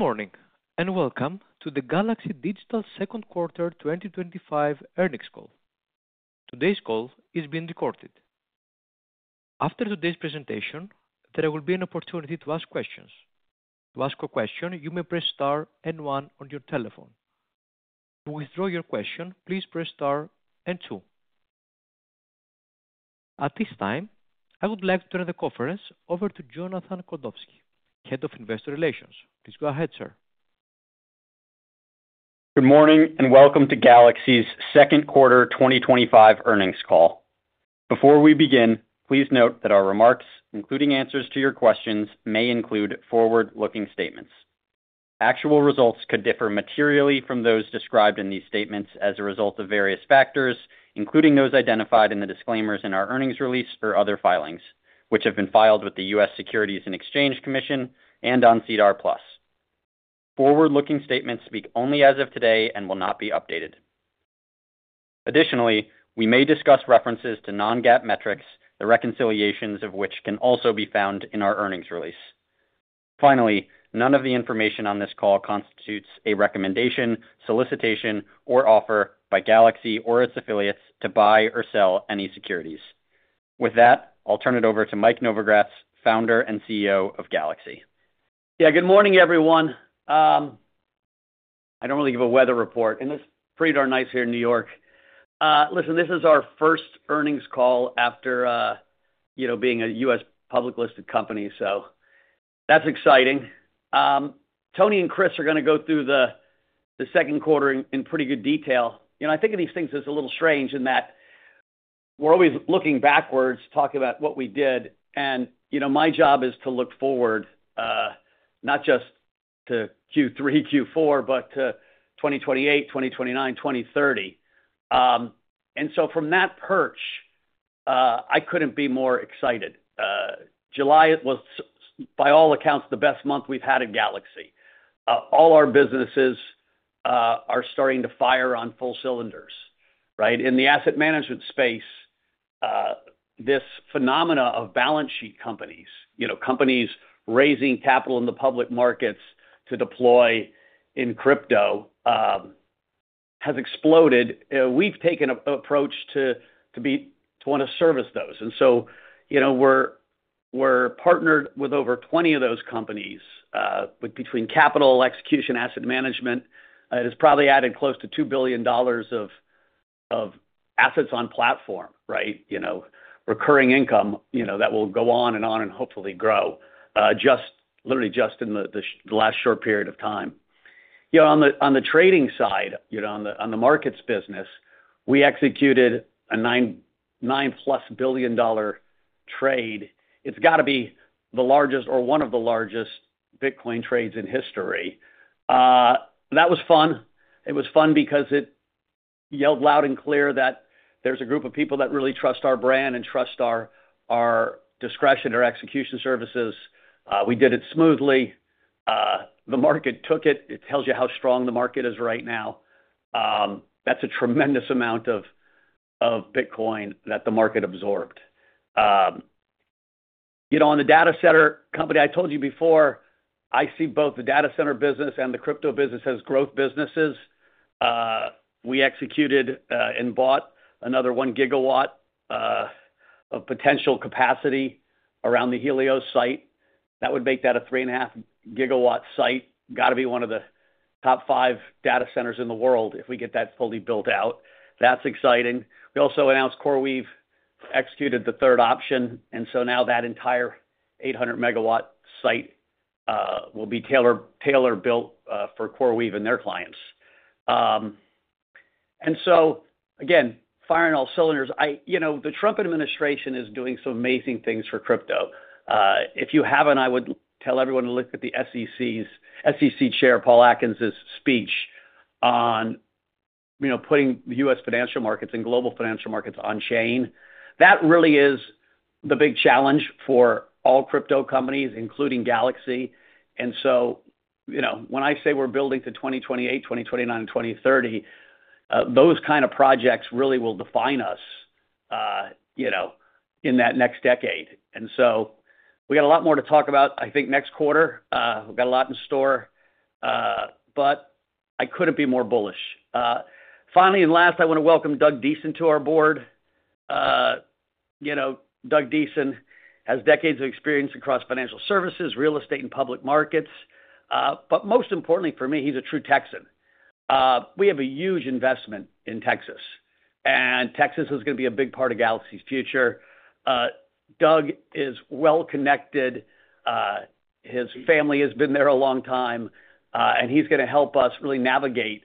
Morning and welcome to the Galaxy Digital second quarter 2025 earnings call. Today's call is being recorded. After today's presentation, there will be an opportunity to ask questions. To ask a question, you may press star and one on your telephone. To withdraw your question, please press star and two. At this time, I would like to turn the conference over to Jonathan Goldowsky, Head of Investor Relations. Please go ahead, sir. Good morning and welcome to Galaxy's Second Quarter 2025 earnings call. Before we begin, please note that our remarks, including answers to your questions, may include forward-looking statements. Actual results could differ materially from those described in these statements as a result of various factors, including those identified in the disclaimers in our earnings release or other filings, which have been filed with the U.S. Securities and Exchange Commission and on SEDAR+. Forward-looking statements speak only as of today and will not be updated. Additionally, we may discuss references to non-GAAP metrics, the reconciliations of which can also be found in our earnings release. Finally, none of the information on this call constitutes a recommendation, solicitation, or offer by Galaxy or its affiliates to buy or sell any securities. With that, I'll turn it over to Michael Novogratz, founder and CEO of Galaxy. Yeah, good morning everyone. I don't really give a weather report and it's pretty darn nice here in New York. This is our first earnings call after being a U.S. publicly listed company, so that's exciting. Tony and Chris are going to go through the second quarter in pretty good detail. I think of these things as a little strange in that we're always looking backwards, talking about what we did, and my job is to look forward, not just to Q3, Q4, but to 2028, 2029, 2030. From that perch, I couldn't be more excited. July was, by all accounts, the best month we've had at Galaxy. All our businesses are starting to fire on full cylinders, right? In the asset management space, this phenomena of balance sheet companies, companies raising capital in the public markets to deploy in crypto, has exploded. We've taken an approach to want to service those. We're partnered with over 20 of those companies, between capital, execution, asset management. It has probably added close to $2 billion of assets on platform, right? Recurring income that will go on and on and hopefully grow, just literally just in the last short period of time. On the trading side, on the markets business, we executed a $9+ billion trade. It's got to be the largest or one of the largest Bitcoin trades in history. That was fun. It was fun because it yelled loud and clear that there's a group of people that really trust our brand and trust our discretion or execution services. We did it smoothly. The market took it. It tells you how strong the market is right now. That's a tremendous amount of Bitcoin that the market absorbed. You know, on the data center company, I told you before, I see both the data center business and the crypto business as growth businesses. We executed, and bought another 1 GW of potential capacity around the Helios site. That would make that a 3.5 GW site. Got to be one of the top five data centers in the world if we get that fully built out. That's exciting. We also announced CoreWeave, executed the third option, and so now that entire 800 MW site will be tailor-built for CoreWeave and their clients. Again, firing all cylinders. The Trump administration is doing some amazing things for crypto. If you haven't, I would tell everyone to look at the SEC's SEC Chair Paul Atkins's speech on putting the U.S. financial markets and global financial markets on chain. That really is the big challenge for all crypto companies, including Galaxy. When I say we're building to 2028, 2029, and 2030, those kind of projects really will define us in that next decade. We got a lot more to talk about, I think, next quarter. We got a lot in store. I couldn't be more bullish. Finally, and last, I want to welcome Doug Deason to our board. Doug Deason has decades of experience across financial services, real estate, and public markets. Most importantly for me, he's a true Texan. We have a huge investment in Texas, and Texas is going to be a big part of Galaxy's future. Doug is well connected. His family has been there a long time, and he's going to help us really navigate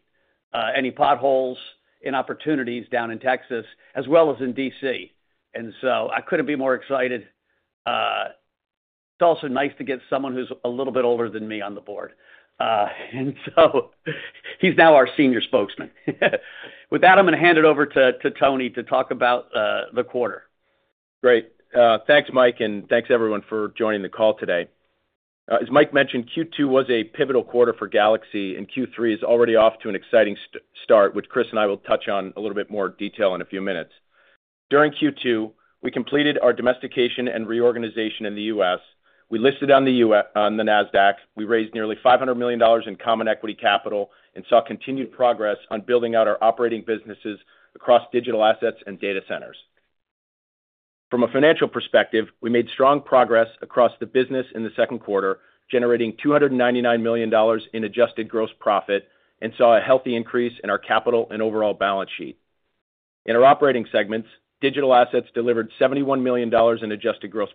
any potholes and opportunities down in Texas, as well as in D.C. I couldn't be more excited. It's also nice to get someone who's a little bit older than me on the board, and so he's now our senior spokesman. With that, I'm going to hand it over to Tony to talk about the quarter. Great. Thanks, Mike, and thanks everyone for joining the call today. As Mike mentioned, Q2 was a pivotal quarter for Galaxy Digital, and Q3 is already off to an exciting start, which Chris and I will touch on in a little bit more detail in a few minutes. During Q2, we completed our domestication and reorganization in the U.S. We listed on the NASDAQ. We raised nearly $500 million in common equity capital and saw continued progress on building out our operating businesses across digital assets and data centers. From a financial perspective, we made strong progress across the business in the second quarter, generating $299 million in adjusted gross profit and saw a healthy increase in our capital and overall balance sheet. In our operating segments, digital assets delivered $71 million in adjusted gross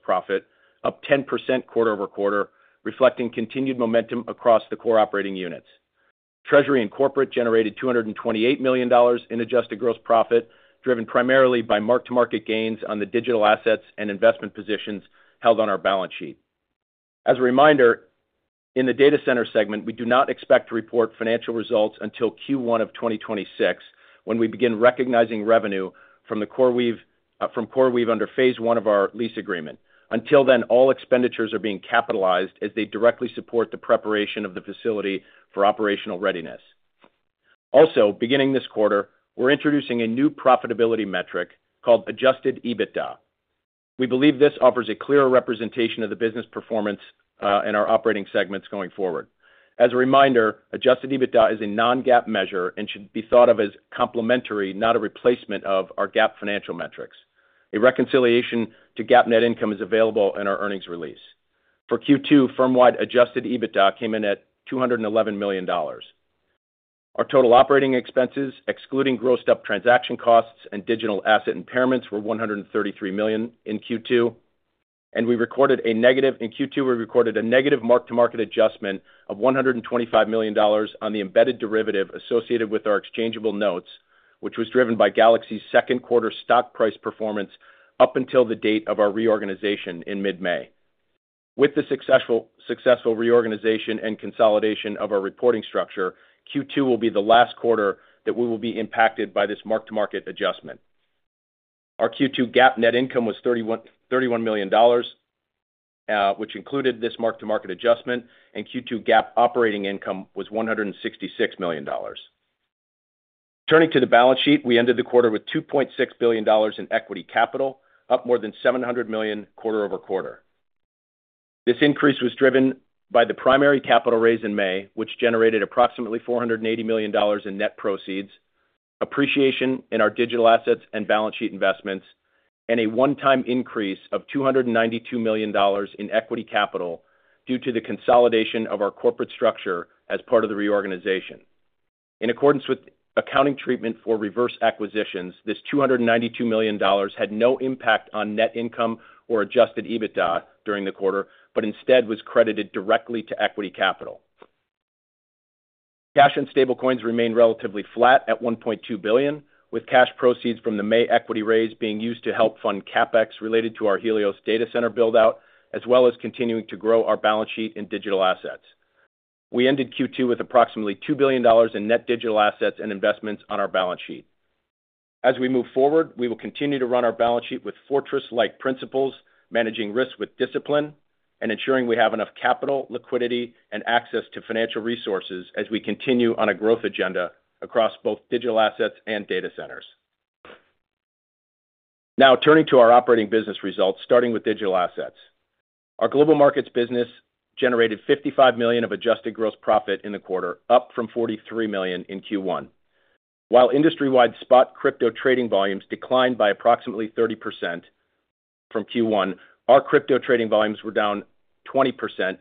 profit, up 10% quarter-over-quarter, reflecting continued momentum across the core operating units. Treasury and corporate generated $228 million in adjusted gross profit, driven primarily by marked-to-market gains on the digital assets and investment positions held on our balance sheet. As a reminder, in the data center segment, we do not expect to report financial results until Q1 of 2026, when we begin recognizing revenue from CoreWeave under phase I of our lease agreement. Until then, all expenditures are being capitalized as they directly support the preparation of the facility for operational readiness. Also, beginning this quarter, we're introducing a new profitability metric called Adjusted EBITDA. We believe this offers a clearer representation of the business performance in our operating segments going forward. As a reminder, Adjusted EBITDA is a non-GAAP measure and should be thought of as complementary, not a replacement of our GAAP financial metrics. A reconciliation to GAAP net income is available in our earnings release. For Q2, firm-wide Adjusted EBITDA came in at $211 million. Our total operating expenses, excluding grossed-up transaction costs and digital asset impairments, were $133 million in Q2. We recorded a negative marked-to-market adjustment of $125 million on the embedded derivative associated with our exchangeable notes, which was driven by Galaxy's second quarter stock price performance up until the date of our reorganization in mid-May. With the successful reorganization and consolidation of our reporting structure, Q2 will be the last quarter that we will be impacted by this marked-to-market adjustment. Our Q2 GAAP net income was $31 million, which included this marked-to-market adjustment, and Q2 GAAP operating income was $166 million. Turning to the balance sheet, we ended the quarter with $2.6 billion in equity capital, up more than $700 million quarter-over-quarter. This increase was driven by the primary capital raise in May, which generated approximately $480 million in net proceeds, appreciation in our digital assets and balance sheet investments, and a one-time increase of $292 million in equity capital due to the consolidation of our corporate structure as part of the reorganization. In accordance with accounting treatment for reverse acquisitions, this $292 million had no impact on net income or adjusted EBITDA during the quarter, but instead was credited directly to equity capital. Cash and stablecoins remain relatively flat at $1.2 billion, with cash proceeds from the May equity raise being used to help fund CapEx related to our Helios data center buildout, as well as continuing to grow our balance sheet and digital assets. We ended Q2 with approximately $2 billion in net digital assets and investments on our balance sheet. As we move forward, we will continue to run our balance sheet with fortress-like principles, managing risk with discipline, and ensuring we have enough capital, liquidity, and access to financial resources as we continue on a growth agenda across both digital assets and data centers. Now, turning to our operating business results, starting with digital assets. Our global markets business generated $55 million of adjusted gross profit in the quarter, up from $43 million in Q1. While industry-wide spot crypto trading volumes declined by approximately 30% from Q1, our crypto trading volumes were down 20%,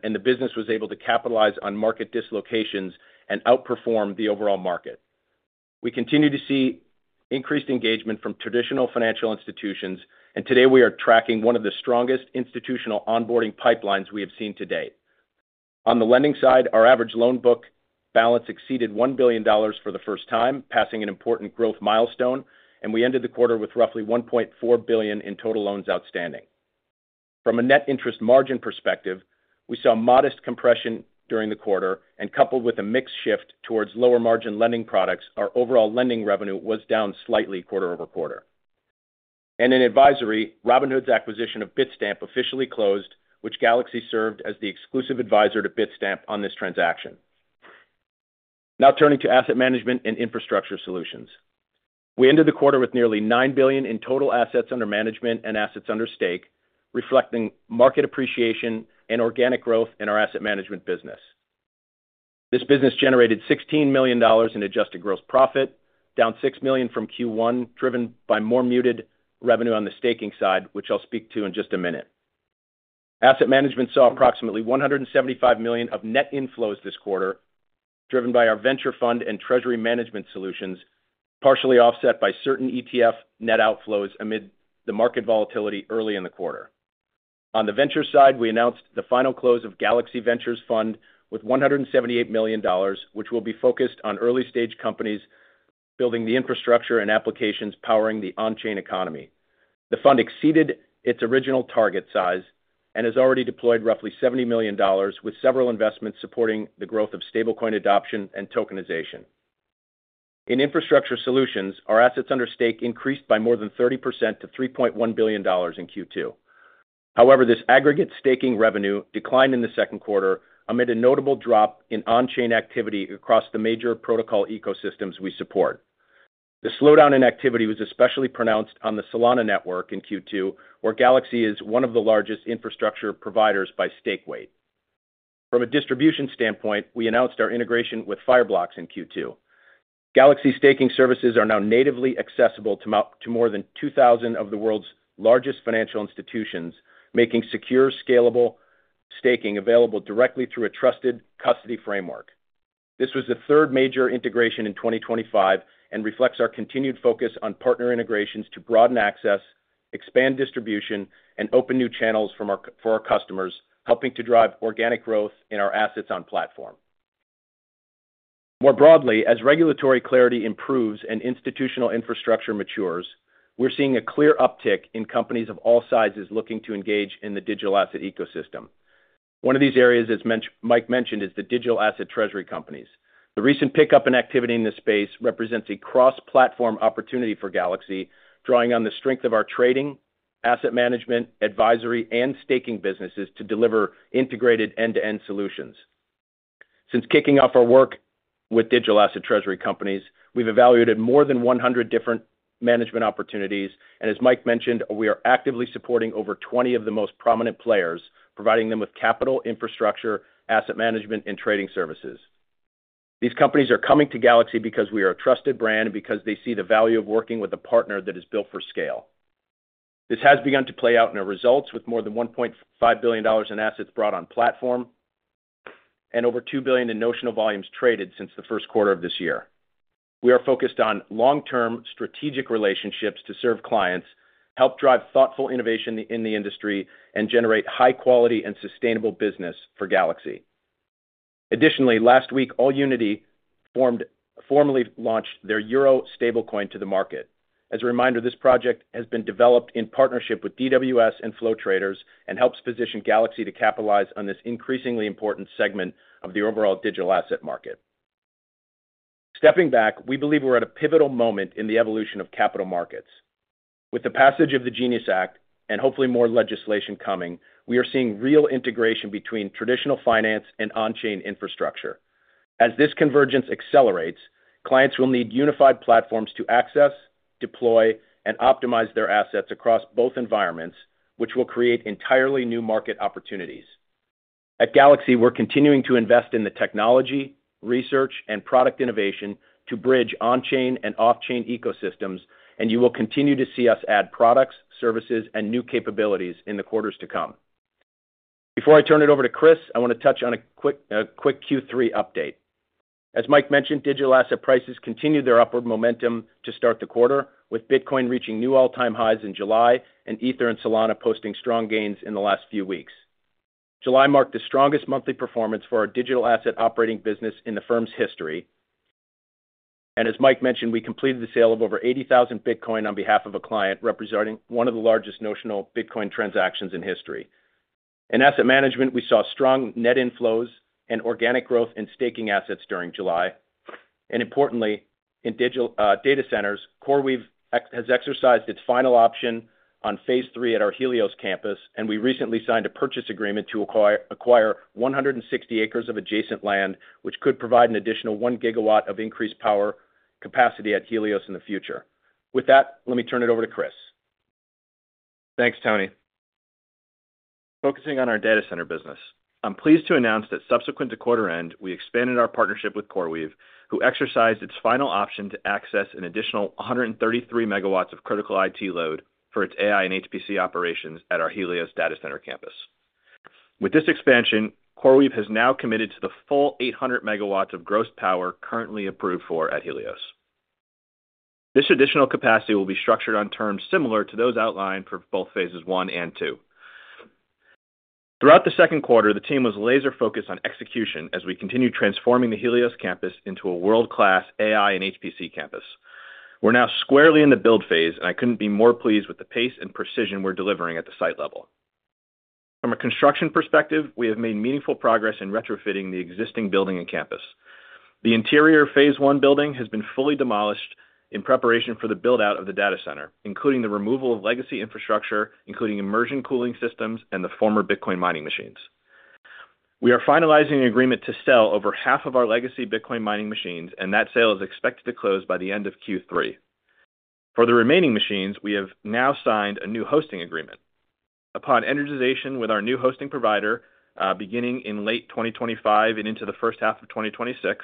and the business was able to capitalize on market dislocations and outperform the overall market. We continue to see increased engagement from traditional financial institutions, and today we are tracking one of the strongest institutional onboarding pipelines we have seen to date. On the lending side, our average loan book balance exceeded $1 billion for the first time, passing an important growth milestone, and we ended the quarter with roughly $1.4 billion in total loans outstanding. From a net interest margin perspective, we saw modest compression during the quarter, and coupled with a mix shift towards lower margin lending products, our overall lending revenue was down slightly quarter-over-quarter. In advisory, Robinhood's acquisition of Bitstamp officially closed, which Galaxy served as the exclusive advisor to Bitstamp on this transaction. Now turning to asset management and infrastructure solutions. We ended the quarter with nearly $9 billion in total assets under management and assets under stake, reflecting market appreciation and organic growth in our asset management business. This business generated $16 million in adjusted gross profit, down $6 million from Q1, driven by more muted revenue on the staking side, which I'll speak to in just a minute. Asset management saw approximately $175 million of net inflows this quarter, driven by our venture fund and treasury management solutions, partially offset by certain ETF net outflows amid the market volatility early in the quarter. On the venture side, we announced the final close of Galaxy Ventures Fund with $178 million, which will be focused on early-stage companies building the infrastructure and applications powering the on-chain economy. The fund exceeded its original target size and has already deployed roughly $70 million, with several investments supporting the growth of stablecoin adoption and tokenization. In infrastructure solutions, our assets under stake increased by more than 30% to $3.1 billion in Q2. However, this aggregate staking revenue declined in the second quarter amid a notable drop in on-chain activity across the major protocol ecosystems we support. The slowdown in activity was especially pronounced on the Solana network in Q2, where Galaxy is one of the largest infrastructure providers by stake weight. From a distribution standpoint, we announced our integration with Fireblocks in Q2. Galaxy staking services are now natively accessible to more than 2,000 of the world's largest financial institutions, making secure, scalable staking available directly through a trusted custody framework. This was the third major integration in 2025 and reflects our continued focus on partner integrations to broaden access, expand distribution, and open new channels for our customers, helping to drive organic growth in our assets on platform. More broadly, as regulatory clarity improves and institutional infrastructure matures, we're seeing a clear uptick in companies of all sizes looking to engage in the digital asset ecosystem. One of these areas Mike mentioned is the digital asset treasury companies. The recent pickup in activity in this space represents a cross-platform opportunity for Galaxy, drawing on the strength of our trading, asset management, advisory, and staking businesses to deliver integrated end-to-end solutions. Since kicking off our work with digital asset treasury companies, we've evaluated more than 100 different management opportunities, and as Mike mentioned, we are actively supporting over 20 of the most prominent players, providing them with capital, infrastructure, asset management, and trading services. These companies are coming to Galaxy because we are a trusted brand and because they see the value of working with a partner that is built for scale. This has begun to play out in our results, with more than $1.5 billion in assets brought on platform and over $2 billion in notional volumes traded since the first quarter of this year. We are focused on long-term strategic relationships to serve clients, help drive thoughtful innovation in the industry, and generate high-quality and sustainable business for Galaxy. Additionally, last week, AllUnity formally launched their euro stablecoin to the market. As a reminder, this project has been developed in partnership with DWS and Flow Traders and helps position Galaxy to capitalize on this increasingly important segment of the overall digital asset market. Stepping back, we believe we're at a pivotal moment in the evolution of capital markets. With the passage of the GENIUS Act and hopefully more legislation coming, we are seeing real integration between traditional finance and on-chain infrastructure. As this convergence accelerates, clients will need unified platforms to access, deploy, and optimize their assets across both environments, which will create entirely new market opportunities. At Galaxy, we're continuing to invest in the technology, research, and product innovation to bridge on-chain and off-chain ecosystems, and you will continue to see us add products, services, and new capabilities in the quarters to come. Before I turn it over to Chris, I want to touch on a quick Q3 update. As Mike mentioned, digital asset prices continued their upward momentum to start the quarter, with Bitcoin reaching new all-time highs in July and Ether and Solana posting strong gains in the last few weeks. July marked the strongest monthly performance for our digital asset operating business in the firm's history, and as Mike mentioned, we completed the sale of over 80,000 Bitcoin on behalf of a client, representing one of the largest notional Bitcoin transactions in history. In asset management, we saw strong net inflows and organic growth in staking assets during July, and importantly, in data centers, CoreWeave has exercised its final option on phase III at our Helios campus, and we recently signed a purchase agreement to acquire 160 acres of adjacent land, which could provide an additional 1 GW of increased power capacity at Helios in the future. With that, let me turn it over to Chris. Thanks, Tony. Focusing on our data center business, I'm pleased to announce that subsequent to quarter end, we expanded our partnership with CoreWeave, who exercised its final option to access an additional 133 MW of critical IT load for its AI and HPC operations at our Helios data center campus. With this expansion, CoreWeave has now committed to the full 800 MW of gross power currently approved for at Helios. This additional capacity will be structured on terms similar to those outlined for both phases I and II. Throughout the second quarter, the team was laser-focused on execution as we continued transforming the Helios campus into a world-class AI and HPC campus. We're now squarely in the build phase, and I couldn't be more pleased with the pace and precision we're delivering at the site level. From a construction perspective, we have made meaningful progress in retrofitting the existing building and campus. The interior phase I building has been fully demolished in preparation for the build-out of the data center, including the removal of legacy infrastructure, including immersion cooling systems and the former Bitcoin mining machines. We are finalizing an agreement to sell over half of our legacy Bitcoin mining machines, and that sale is expected to close by the end of Q3. For the remaining machines, we have now signed a new hosting agreement. Upon energization with our new hosting provider, beginning in late 2025 and into the first half of 2026,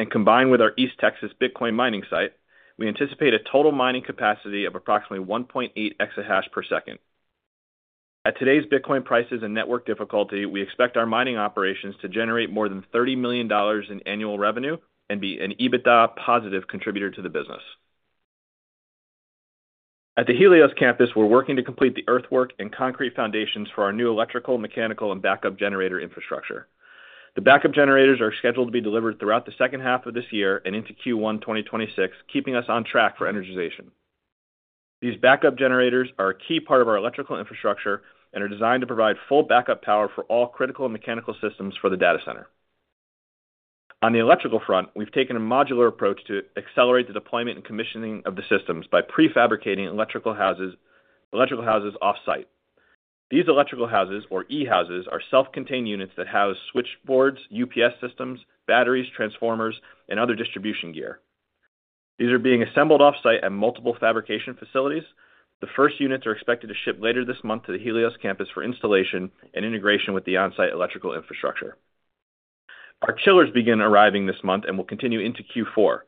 and combined with our East Texas Bitcoin mining site, we anticipate a total mining capacity of approximately 1.8 exahash per second. At today's Bitcoin prices and network difficulty, we expect our mining operations to generate more than $30 million in annual revenue and be an EBITDA positive contributor to the business. At the Helios campus, we're working to complete the earthwork and concrete foundations for our new electrical, mechanical, and backup generator infrastructure. The backup generators are scheduled to be delivered throughout the second half of this year and into Q1 2026, keeping us on track for energization. These backup generators are a key part of our electrical infrastructure and are designed to provide full backup power for all critical and mechanical systems for the data center. On the electrical front, we've taken a modular approach to accelerate the deployment and commissioning of the systems by prefabricating electrical houses offsite. These electrical houses, or E-houses, are self-contained units that house switchboards, UPS systems, batteries, transformers, and other distribution gear. These are being assembled offsite at multiple fabrication facilities. The first units are expected to ship later this month to the Helios data center campus for installation and integration with the onsite electrical infrastructure. Our chillers begin arriving this month and will continue into Q4.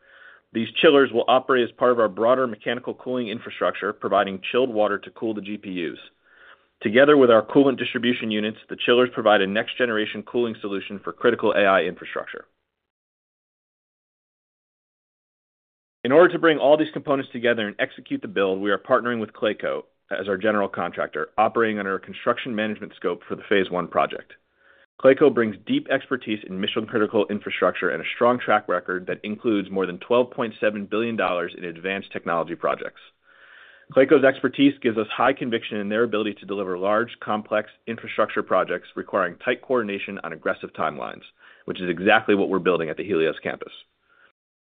These chillers will operate as part of our broader mechanical cooling infrastructure, providing chilled water to cool the GPUs. Together with our coolant distribution units, the chillers provide a next-generation cooling solution for critical AI infrastructure. In order to bring all these components together and execute the build, we are partnering with Clayco as our general contractor, operating under a construction management scope for the phase I project. Clayco brings deep expertise in mission-critical infrastructure and a strong track record that includes more than $12.7 billion in advanced technology projects. Clayco's expertise gives us high conviction in their ability to deliver large, complex infrastructure projects requiring tight coordination on aggressive timelines, which is exactly what we're building at the Helios data center campus.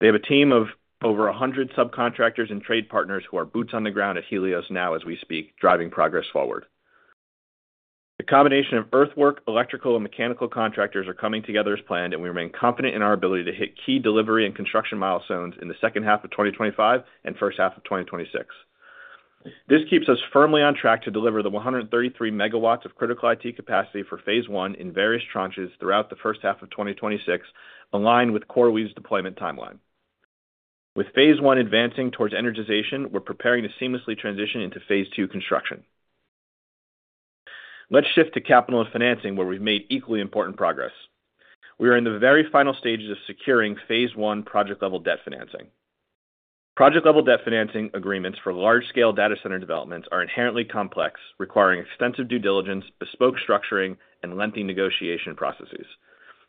They have a team of over 100 subcontractors and trade partners who are boots on the ground at Helios now as we speak, driving progress forward. The combination of earthwork, electrical, and mechanical contractors are coming together as planned, and we remain confident in our ability to hit key delivery and construction milestones in the second half of 2025 and first half of 2026. This keeps us firmly on track to deliver the 133 MW of critical IT capacity for phase I in various tranches throughout the first half of 2026, aligned with CoreWeave's deployment timeline. With phase I advancing towards energization, we're preparing to seamlessly transition into phase II construction. Let's shift to capital and financing, where we've made equally important progress. We are in the very final stages of securing phase I project-level debt financing. Project-level debt financing agreements for large-scale data center developments are inherently complex, requiring extensive due diligence, bespoke structuring, and lengthy negotiation processes.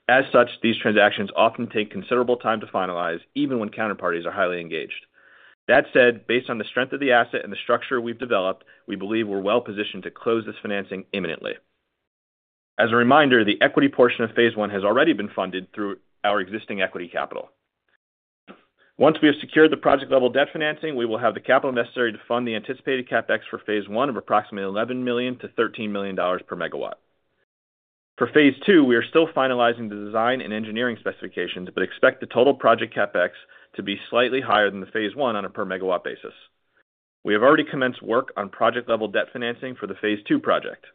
As such, these transactions often take considerable time to finalize, even when counterparties are highly engaged. That said, based on the strength of the asset and the structure we've developed, we believe we're well positioned to close this financing imminently. As a reminder, the equity portion of phase I has already been funded through our existing equity capital. Once we have secured the project-level debt financing, we will have the capital necessary to fund the anticipated CapEx for phase I of approximately $11 million-$13 million per MW. For phase II, we are still finalizing the design and engineering specifications, but expect the total project CapEx to be slightly higher than the phase I on a per megawatt basis. We have already commenced work on project-level debt financing for the phase II project.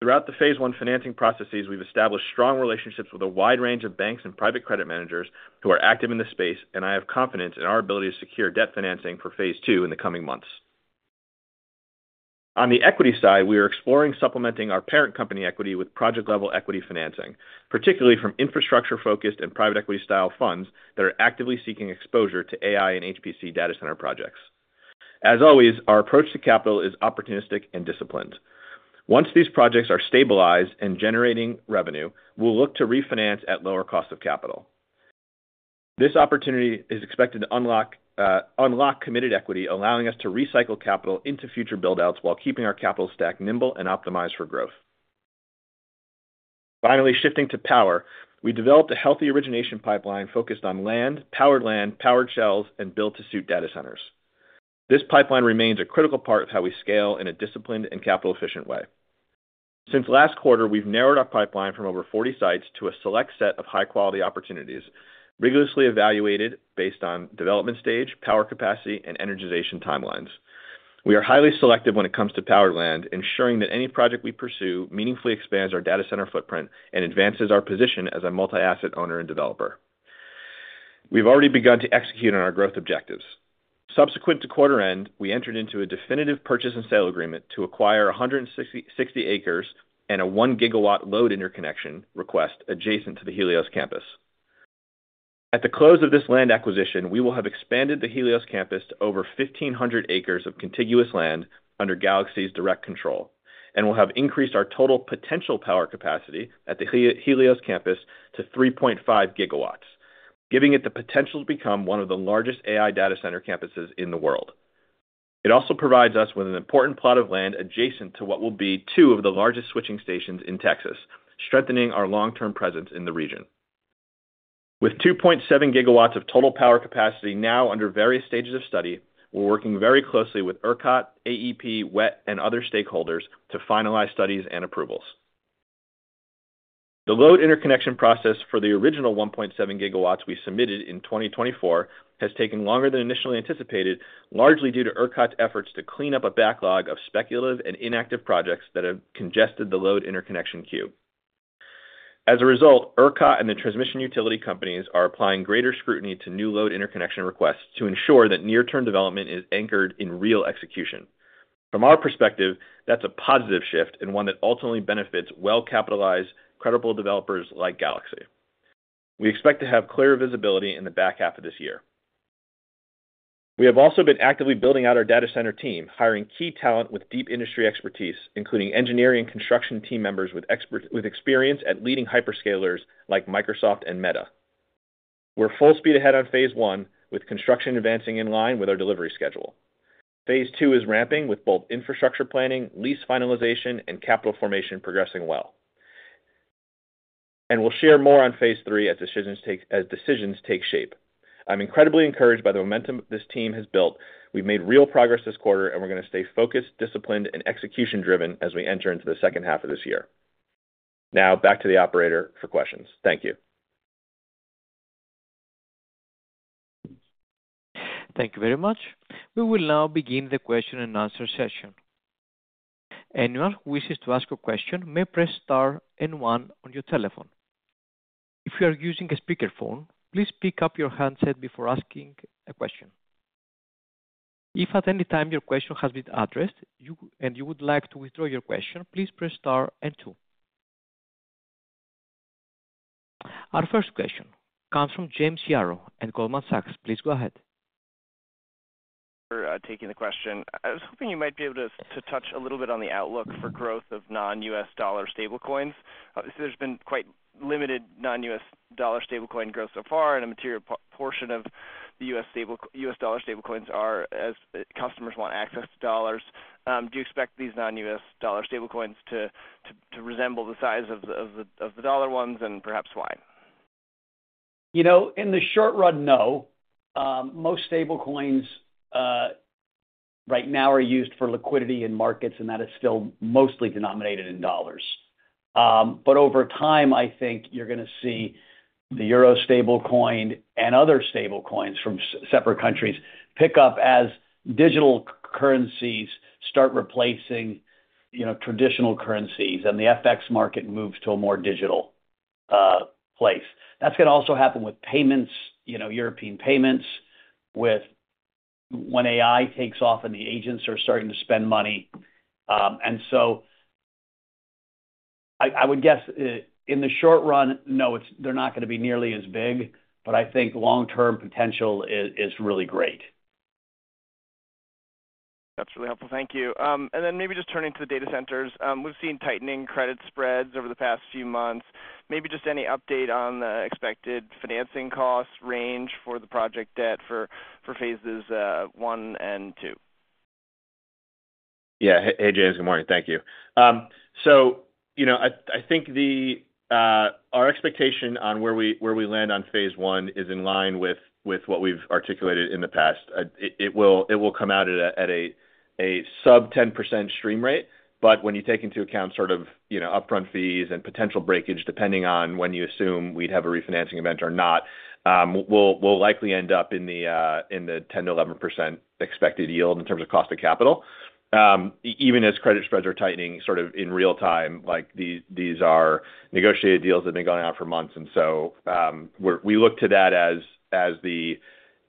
Throughout the phase I financing processes, we've established strong relationships with a wide range of banks and private credit managers who are active in the space, and I have confidence in our ability to secure debt financing for phase II in the coming months. On the equity side, we are exploring supplementing our parent company equity with project-level equity financing, particularly from infrastructure-focused and private equity style funds that are actively seeking exposure to AI and HPC data center projects. As always, our approach to capital is opportunistic and disciplined. Once these projects are stabilized and generating revenue, we'll look to refinance at lower costs of capital. This opportunity is expected to unlock committed equity, allowing us to recycle capital into future buildouts while keeping our capital stack nimble and optimized for growth. Finally, shifting to power, we developed a healthy origination pipeline focused on land, powered land, powered shells, and built to suit data centers. This pipeline remains a critical part of how we scale in a disciplined and capital-efficient way. Since last quarter, we've narrowed our pipeline from over 40 sites to a select set of high-quality opportunities, rigorously evaluated based on development stage, power capacity, and energization timelines. We are highly selective when it comes to powered land, ensuring that any project we pursue meaningfully expands our data center footprint and advances our position as a multi-asset owner and developer. We've already begun to execute on our growth objectives. Subsequent to quarter end, we entered into a definitive purchase and sale agreement to acquire 160 acres and a 1 GW load interconnection request adjacent to the Helios data center campus. At the close of this land acquisition, we will have expanded the Helios data center campus to over 1,500 acres of contiguous land under Galaxy's direct control, and we'll have increased our total potential power capacity at the Helios data center campus to 3.5 GW, giving it the potential to become one of the largest AI data center campuses in the world. It also provides us with an important plot of land adjacent to what will be two of the largest switching stations in Texas, strengthening our long-term presence in the region. With 2.7 GW of total power capacity now under various stages of study, we're working very closely with ERCOT, AEP, WET, and other stakeholders to finalize studies and approvals. The load interconnection process for the original 1.7 GW we submitted in 2024 has taken longer than initially anticipated, largely due to ERCOT's efforts to clean up a backlog of speculative and inactive projects that have congested the load interconnection queue. As a result, ERCOT and the transmission utility companies are applying greater scrutiny to new load interconnection requests to ensure that near-term development is anchored in real execution. From our perspective, that's a positive shift and one that ultimately benefits well-capitalized, credible developers like Galaxy. We expect to have clear visibility in the back half of this year. We have also been actively building out our data center team, hiring key talent with deep industry expertise, including engineering and construction team members with experience at leading hyperscalers like Microsoft and Meta. We're full speed ahead on phase I, with construction advancing in line with our delivery schedule. phase II is ramping, with both infrastructure planning, lease finalization, and capital formation progressing well. We will share more on phase III as decisions take shape. I'm incredibly encouraged by the momentum this team has built. We've made real progress this quarter, and we're going to stay focused, disciplined, and execution-driven as we enter into the second half of this year. Now, back to the operator for questions. Thank you. Thank you very much. We will now begin the question and answer session. Anyone who wishes to ask a question may press star and one on your telephone. If you are using a speakerphone, please pick up your handset before asking a question. If at any time your question has been addressed and you would like to withdraw your question, please press star and two. Our first question comes from James Yaro at Goldman Sachs. Please go ahead. For taking the question, I was hoping you might be able to touch a little bit on the outlook for growth of non-US dollar stablecoins. Obviously, there's been quite limited non-US dollar stablecoin growth so far, and a material portion of the US dollar stablecoins are as customers want access to dollars. Do you expect these non-US dollar stablecoins to resemble the size of the dollar ones and perhaps why? You know, in the short run, no. Most stablecoins right now are used for liquidity in markets, and that is still mostly denominated in dollars. Over time, I think you're going to see the euro stablecoin and other stablecoins from separate countries pick up as digital currencies start replacing traditional currencies, and the FX market moves to a more digital place. That is going to also happen with payments, European payments, when AI takes off and the agents are starting to spend money. I would guess in the short run, no, they're not going to be nearly as big, but I think long-term potential is really great. That's really helpful. Thank you. Maybe just turning to the data centers, we've seen tightening credit spreads over the past few months. Maybe just any update on the expected financing cost range for the project debt for phases I and II. Yeah, hey James, good morning. Thank you. I think our expectation on where we land on phase I is in line with what we've articulated in the past. It will come out at a sub-10% stream rate, but when you take into account upfront fees and potential breakage, depending on when you assume we'd have a refinancing event or not, we'll likely end up in the 10%-11% expected yield in terms of cost of capital. Even as credit spreads are tightening in real time, these are negotiated deals that have been going on for months, and we look to that as the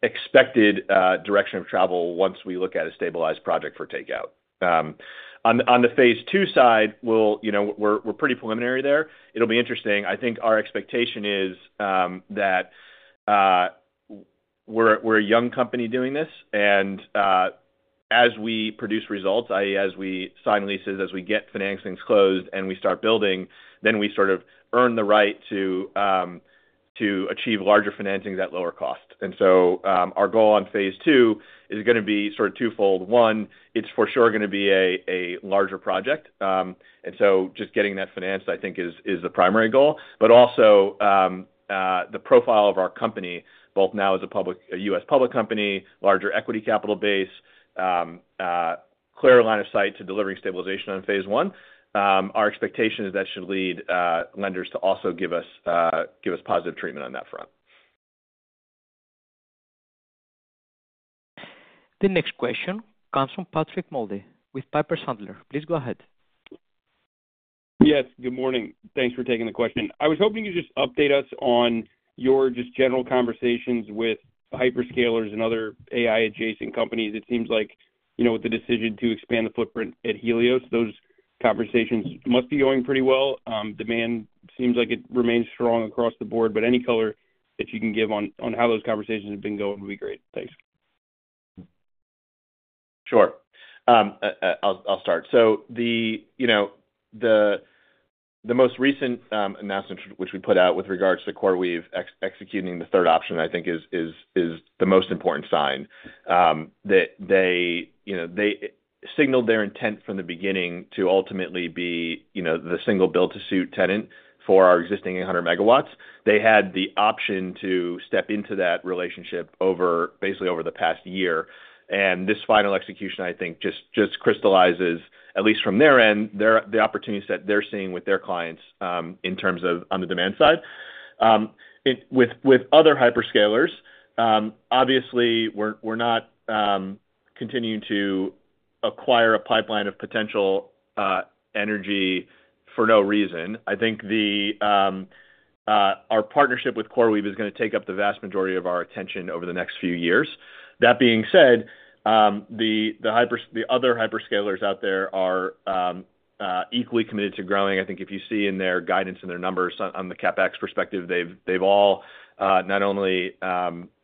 expected direction of travel once we look at a stabilized project for takeout. On the phase II side, we're pretty preliminary there. It'll be interesting. I think our expectation is that we're a young company doing this, and as we produce results, i.e., as we sign leases, as we get financings closed and we start building, we sort of earn the right to achieve larger financings at lower cost. Our goal on phase II is going to be twofold. One, it's for sure going to be a larger project, and just getting that financed is the primary goal, but also the profile of our company, both now as a U.S. public company, larger equity capital base, clear line of sight to delivering stabilization on phase I. Our expectation is that should lead lenders to also give us positive treatment on that front. The next question comes from Patrick Moley with Piper Sandler. Please go ahead. Yes, good morning. Thanks for taking the question. I was hoping you could just update us on your general conversations with hyperscalers and other AI-adjacent companies. It seems like, you know, with the decision to expand the footprint at Helios, those conversations must be going pretty well. Demand seems like it remains strong across the board, but any color that you can give on how those conversations have been going would be great. Thanks. Sure. I'll start. The most recent announcement, which we put out with regards to CoreWeave executing the third option, I think, is the most important sign. They signaled their intent from the beginning to ultimately be the single build-to-suit tenant for our existing 800 MW. They had the option to step into that relationship over basically the past year. This final execution, I think, just crystallizes, at least from their end, the opportunities that they're seeing with their clients in terms of on the demand side. With other hyperscalers, obviously, we're not continuing to acquire a pipeline of potential energy for no reason. I think our partnership with CoreWeave is going to take up the vast majority of our attention over the next few years. That being said, the other hyperscalers out there are equally committed to growing. If you see in their guidance and their numbers on the CapEx perspective, they've all not only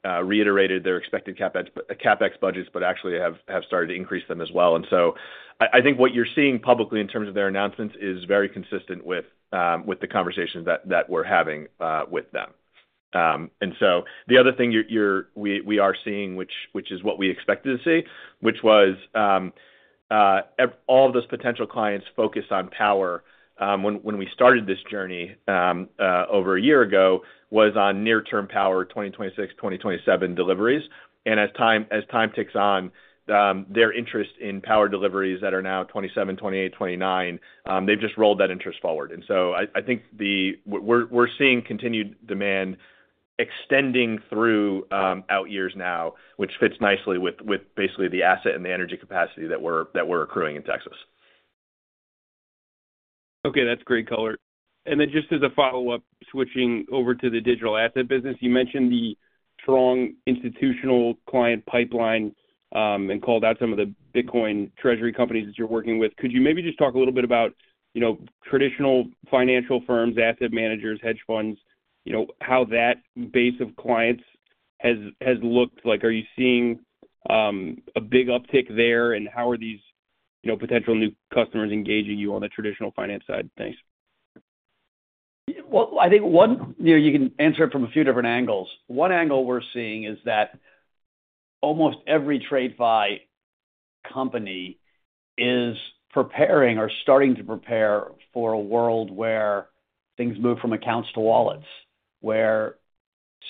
reiterated their expected CapEx budgets, but actually have started to increase them as well. What you're seeing publicly in terms of their announcements is very consistent with the conversations that we're having with them. The other thing we are seeing, which is what we expected to see, was all of those potential clients focused on power when we started this journey over a year ago, was on near-term power 2026-2027 deliveries. As time ticks on, their interest in power deliveries that are now 2027, 2028, 2029, they've just rolled that interest forward. I think we're seeing continued demand extending throughout years now, which fits nicely with basically the asset and the energy capacity that we're accruing in Texas. Okay, that's great color. Just as a follow-up, switching over to the digital asset business, you mentioned the strong institutional client pipeline and called out some of the Bitcoin treasury companies that you're working with. Could you maybe just talk a little bit about traditional financial firms, asset managers, hedge funds, how that base of clients has looked like? Are you seeing a big uptick there, and how are these potential new customers engaging you on the traditional finance side? Thanks. I think, you know, you can answer it from a few different angles. One angle we're seeing is that almost every TradFi company is preparing or starting to prepare for a world where things move from accounts to wallets, where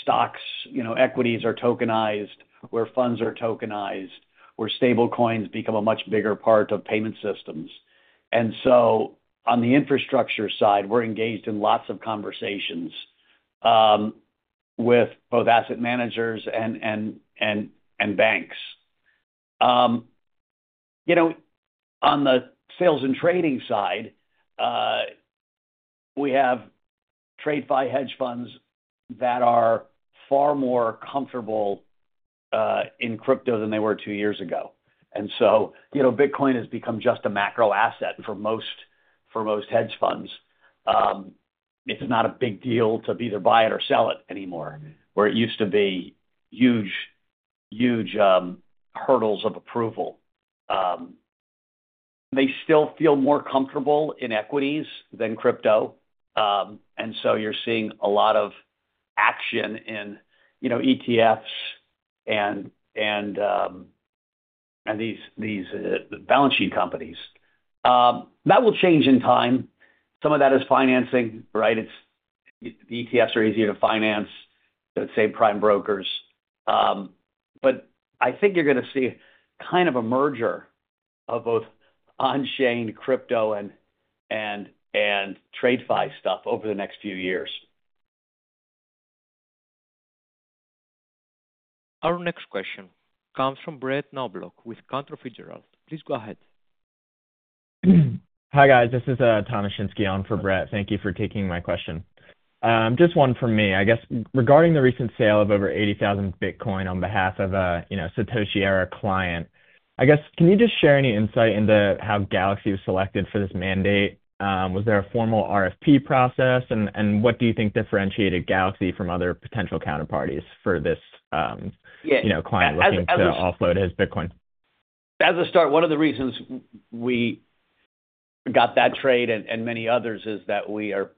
stocks, you know, equities are tokenized, where funds are tokenized, where stablecoins become a much bigger part of payment systems. On the infrastructure side, we're engaged in lots of conversations with both asset managers and banks. You know, on the sales and trading side, we have TradFi hedge funds that are far more comfortable in crypto than they were two years ago. You know, Bitcoin has become just a macro asset for most hedge funds. It's not a big deal to either buy it or sell it anymore, where it used to be huge, huge hurdles of approval. They still feel more comfortable in equities than crypto. You're seeing a lot of action in, you know, ETFs and these balance sheet companies. That will change in time. Some of that is financing, right? The ETFs are easier to finance, let's say prime brokers. I think you're going to see kind of a merger of both on-chain crypto and TradFi stuff over the next few years. Our next question comes from Brett Knoblauch with Cantor Fitzgerald. Please go ahead. Hi guys, this is Thomas Shinske on for Brett. Thank you for taking my question. Just one for me regarding the recent sale of over 80,000 Bitcoin on behalf of a Satoshi-era client. Can you just share any insight into how Galaxy was selected for this mandate? Was there a formal RFP process, and what do you think differentiated Galaxy from other potential counterparties for this client looking to offload his Bitcoin? As a start, one of the reasons we got that trade and many others is that we are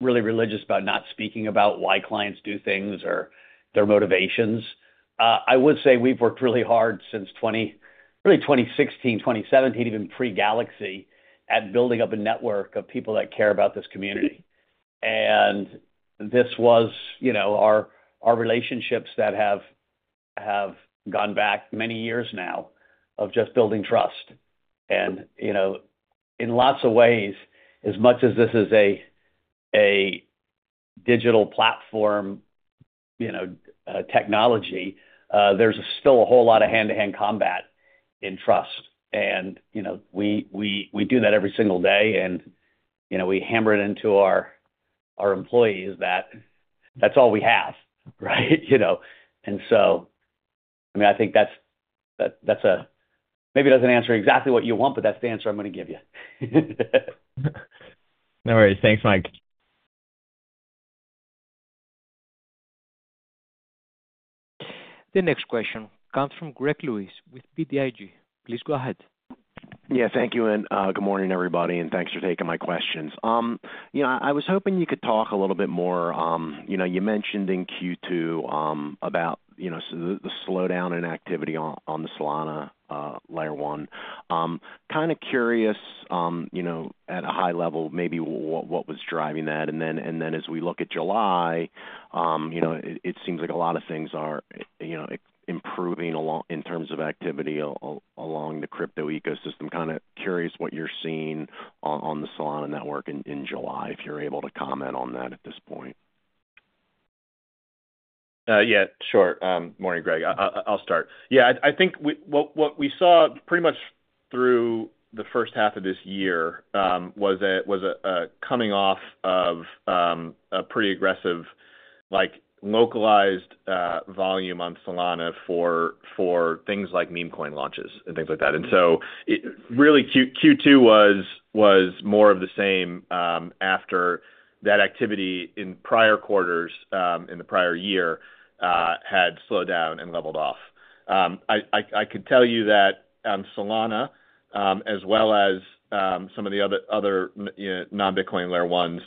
really religious about not speaking about why clients do things or their motivations. I would say we've worked really hard since 2016, 2017, even pre-Galaxy, at building up a network of people that care about this community. This was our relationships that have gone back many years now of just building trust. In lots of ways, as much as this is a digital platform, technology, there's still a whole lot of hand-to-hand combat in trust. We do that every single day, and we hammer it into our employees that that's all we have, right? I think that's a, maybe that's an answer exactly what you want, but that's the answer I'm going to give you. No worries. Thanks, Mike. The next question comes from Greg Lewis with BTIG. Please go ahead. Thank you, and good morning everybody, and thanks for taking my questions. I was hoping you could talk a little bit more. You mentioned in Q2 about the slowdown in activity on the Solana layer one. Kind of curious, at a high level, maybe what was driving that. As we look at July, it seems like a lot of things are improving a lot in terms of activity along the crypto ecosystem. Kind of curious what you're seeing on the Solana network in July, if you're able to comment on that at this point. Yeah, sure. Morning, Greg. I'll start. I think what we saw pretty much through the first half of this year was a coming off of a pretty aggressive, localized volume on Solana for things like meme coin launches and things like that. Q2 was more of the same after that activity in prior quarters, in the prior year, had slowed down and leveled off. I could tell you that Solana, as well as some of the other non-Bitcoin layer ones,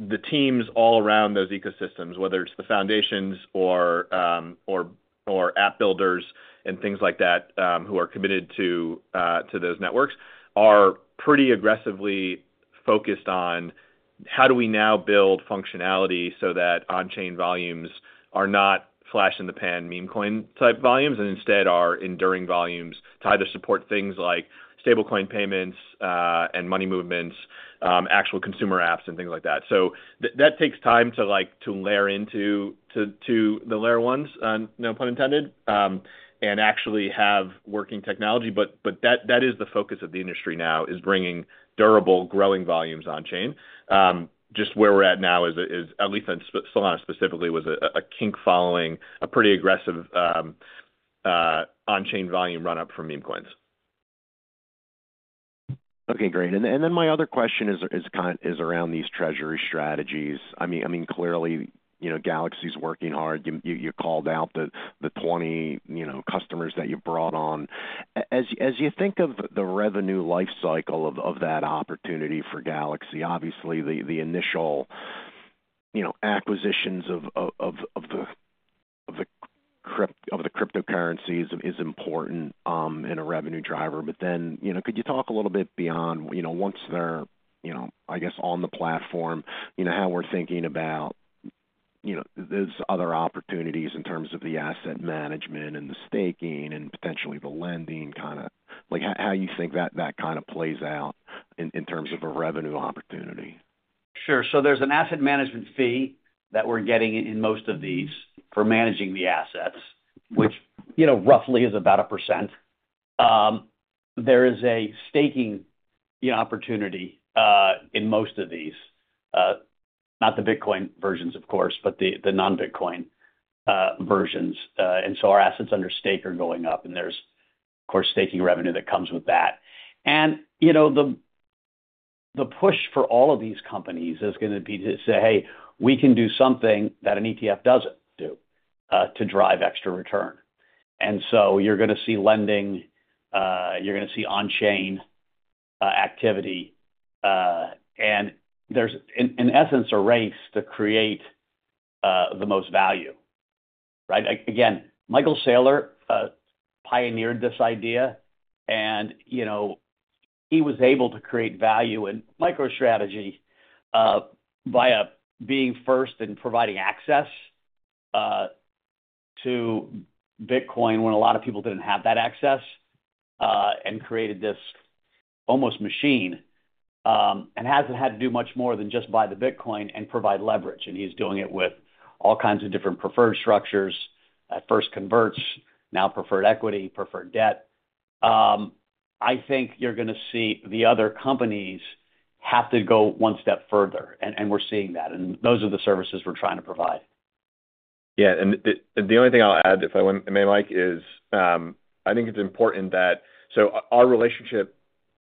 the teams all around those ecosystems, whether it's the foundations or app builders and things like that who are committed to those networks, are pretty aggressively focused on how do we now build functionality so that on-chain volumes are not flash-in-the-pan meme coin type volumes and instead are enduring volumes to either support things like stablecoin payments and money movements, actual consumer apps, and things like that. That takes time to layer into the layer ones, no pun intended, and actually have working technology. That is the focus of the industry now, bringing durable growing volumes on chain. Just where we're at now is at least on Solana specifically was a kink following a pretty aggressive on-chain volume run-up from meme coins. Okay, great. My other question is around these treasury strategies. Clearly, you know, Galaxy's working hard. You called out the 20 customers that you brought on. As you think of the revenue lifecycle of that opportunity for Galaxy, obviously the initial acquisitions of the cryptocurrency is important and a revenue driver. Could you talk a little bit beyond, once they're, I guess, on the platform, how we're thinking about those other opportunities in terms of the asset management and the staking and potentially the lending, kind of like how you think that that kind of plays out in terms of a revenue opportunity. Sure. There's an asset management fee that we're getting in most of these for managing the assets, which, you know, roughly is about 1%. There is a staking opportunity in most of these, not the Bitcoin versions, of course, but the non-Bitcoin versions. Our assets under stake are going up, and there's, of course, staking revenue that comes with that. The push for all of these companies is going to be to say, hey, we can do something that an ETF doesn't do to drive extra return. You're going to see lending, you're going to see on-chain activity, and there's, in essence, a race to create the most value, right? Michael Saylor pioneered this idea, and he was able to create value in MicroStrategy by being first and providing access to Bitcoin when a lot of people didn't have that access, and created this almost machine, and hasn't had to do much more than just buy the Bitcoin and provide leverage. He's doing it with all kinds of different preferred structures, at first converts, now preferred equity, preferred debt. I think you're going to see the other companies have to go one step further, and we're seeing that, and those are the services we're trying to provide. Yeah, and the only thing I'll add, if I may, Mike, is I think it's important that our relationship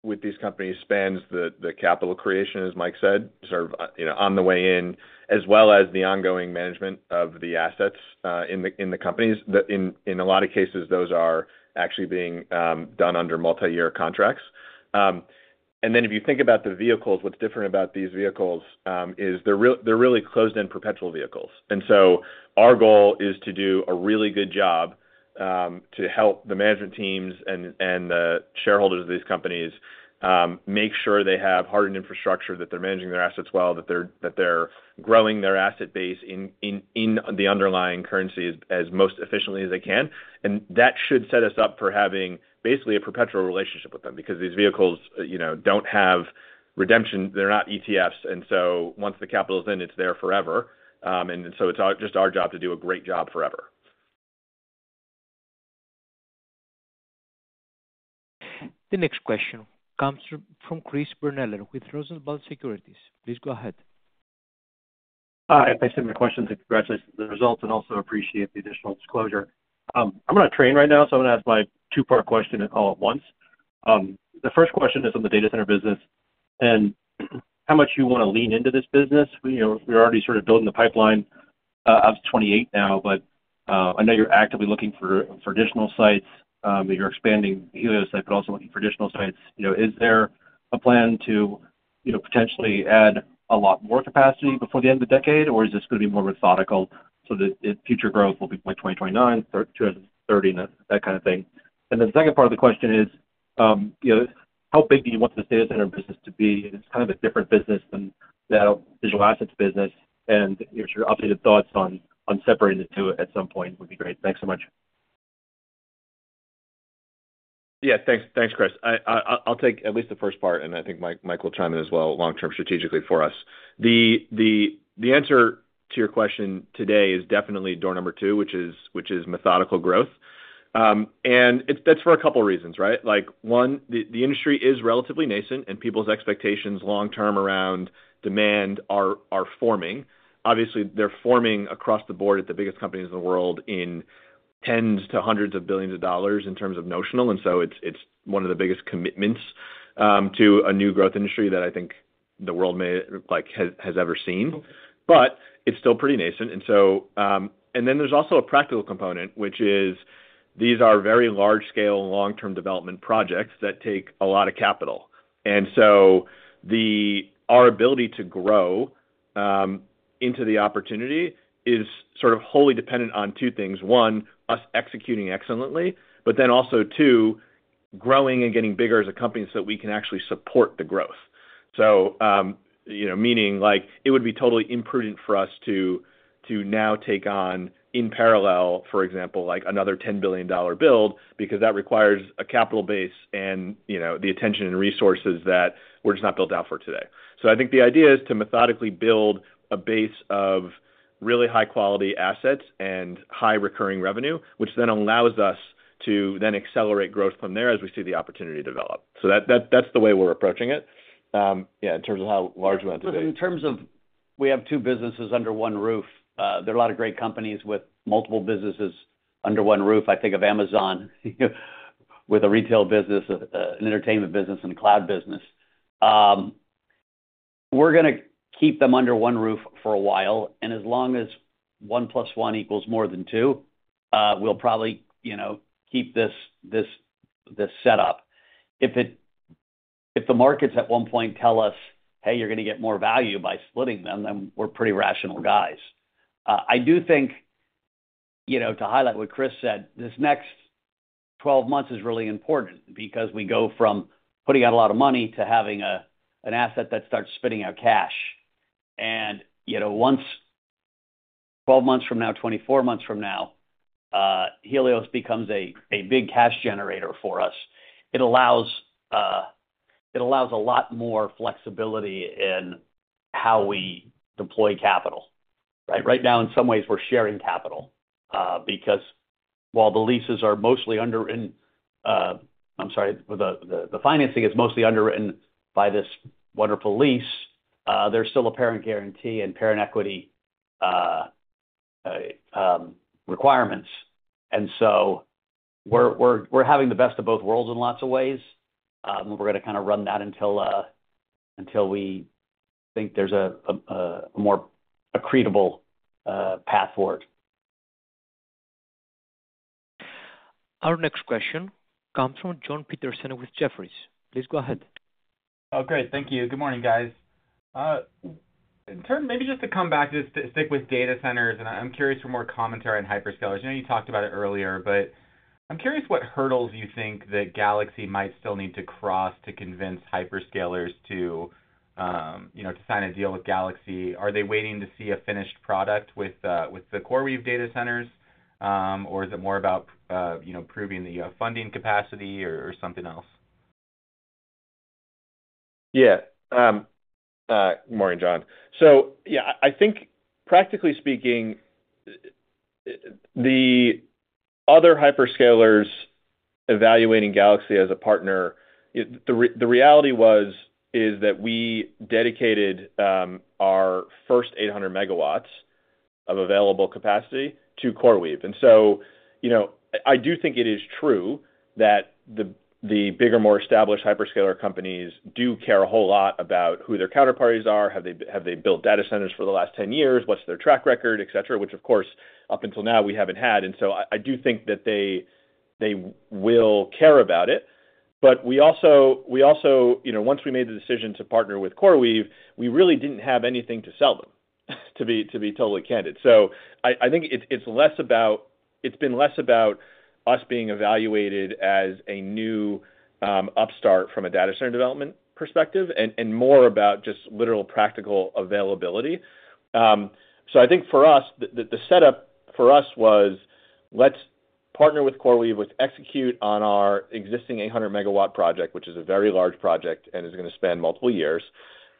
with these companies spans the capital creation, as Mike said. Serve, you know, on the way in, as well as the ongoing management of the assets in the companies. In a lot of cases, those are actually being done under multi-year contracts. If you think about the vehicles, what's different about these vehicles is they're really closed-end perpetual vehicles. Our goal is to do a really good job, to help the management teams and the shareholders of these companies make sure they have hardened infrastructure, that they're managing their assets well, that they're growing their asset base in the underlying currency as efficiently as they can. That should set us up for having basically a perpetual relationship with them because these vehicles don't have redemption. They're not ETFs. Once the capital's in, it's there forever. It's just our job to do a great job forever. The next question comes from Christopher Brendler with Rosenblatt Securities. Please go ahead. Thanks for the questions. I congratulate the results and also appreciate the additional disclosure. I'm on a train right now, so I'm going to ask my two-part question all at once. The first question is on the data center business and how much you want to lean into this business. We're already sort of building the pipeline. I'm 28 now, but I know you're actively looking for additional sites. You're expanding Helios sites, but also looking for additional sites. Is there a plan to potentially add a lot more capacity before the end of the decade, or is this going to be more methodical so that future growth will be by 2029, 2030, and that kind of thing? The second part of the question is, how big do you want the data center business to be? It's kind of a different business than the digital assets business. Your sort of updated thoughts on separating the two at some point would be great. Thanks so much. Yeah, thanks, thanks Chris. I'll take at least the first part, and I think Mike will chime in as well, long-term strategically for us. The answer to your question today is definitely door number two, which is methodical growth. That's for a couple of reasons, right? Like one, the industry is relatively nascent and people's expectations long-term around demand are forming. Obviously, they're forming across the board at the biggest companies in the world in tens to hundreds of billions of dollars in terms of notional. It's one of the biggest commitments to a new growth industry that I think the world may like has ever seen. It's still pretty nascent. There's also a practical component, which is these are very large-scale long-term development projects that take a lot of capital. Our ability to grow into the opportunity is sort of wholly dependent on two things. One, us executing excellently, but then also two, growing and getting bigger as a company so that we can actually support the growth. You know, meaning like it would be totally imprudent for us to now take on in parallel, for example, like another $10 billion build because that requires a capital base and, you know, the attention and resources that we're just not built out for today. I think the idea is to methodically build a base of really high-quality assets and high recurring revenue, which then allows us to then accelerate growth from there as we see the opportunity develop. That's the way we're approaching it. Yeah, in terms of how large we want it to be. In terms of, we have two businesses under one roof. There are a lot of great companies with multiple businesses under one roof. I think of Amazon, you know, with a retail business, an entertainment business, and a cloud business. We're going to keep them under one roof for a while. As long as one plus one equals more than two, we'll probably, you know, keep this setup. If the markets at one point tell us, hey, you're going to get more value by splitting them, then we're pretty rational guys. I do think, you know, to highlight what Chris said, this next 12 months is really important because we go from putting out a lot of money to having an asset that starts spitting out cash. Once 12 months from now, 24 months from now, Helios becomes a big cash generator for us. It allows a lot more flexibility in how we deploy capital. Right now, in some ways, we're sharing capital because while the leases are mostly underwritten, I'm sorry, the financing is mostly underwritten by this wonderful lease, there's still a parent guarantee and parent equity requirements. We're having the best of both worlds in lots of ways. We're going to kind of run that until we think there's a more accretable path forward. Our next question comes from Jon Petersen with Jefferies. Please go ahead. Great. Thank you. Good morning, guys. Maybe just to come back to stick with data centers, I'm curious for more commentary on hyperscalers. I know you talked about it earlier, but I'm curious what hurdles you think that Galaxy might still need to cross to convince hyperscalers to sign a deal with Galaxy. Are they waiting to see a finished product with the CoreWeave data centers, or is it more about proving the funding capacity or something else? Yeah. Good morning, Jon. I think practically speaking, the other hyperscalers evaluating Galaxy as a partner, the reality was that we dedicated our first 800 MW of available capacity to CoreWeave. I do think it is true that the bigger, more established hyperscaler companies do care a whole lot about who their counterparties are. Have they built data centers for the last 10 years? What's their track record, et cetera, which, of course, up until now, we haven't had. I do think that they will care about it. We also, once we made the decision to partner with CoreWeave, really didn't have anything to sell them, to be totally candid. I think it's been less about us being evaluated as a new upstart from a data center development perspective and more about just literal practical availability. For us, the setup was let's partner with CoreWeave and execute on our existing 800 MW project, which is a very large project and is going to span multiple years.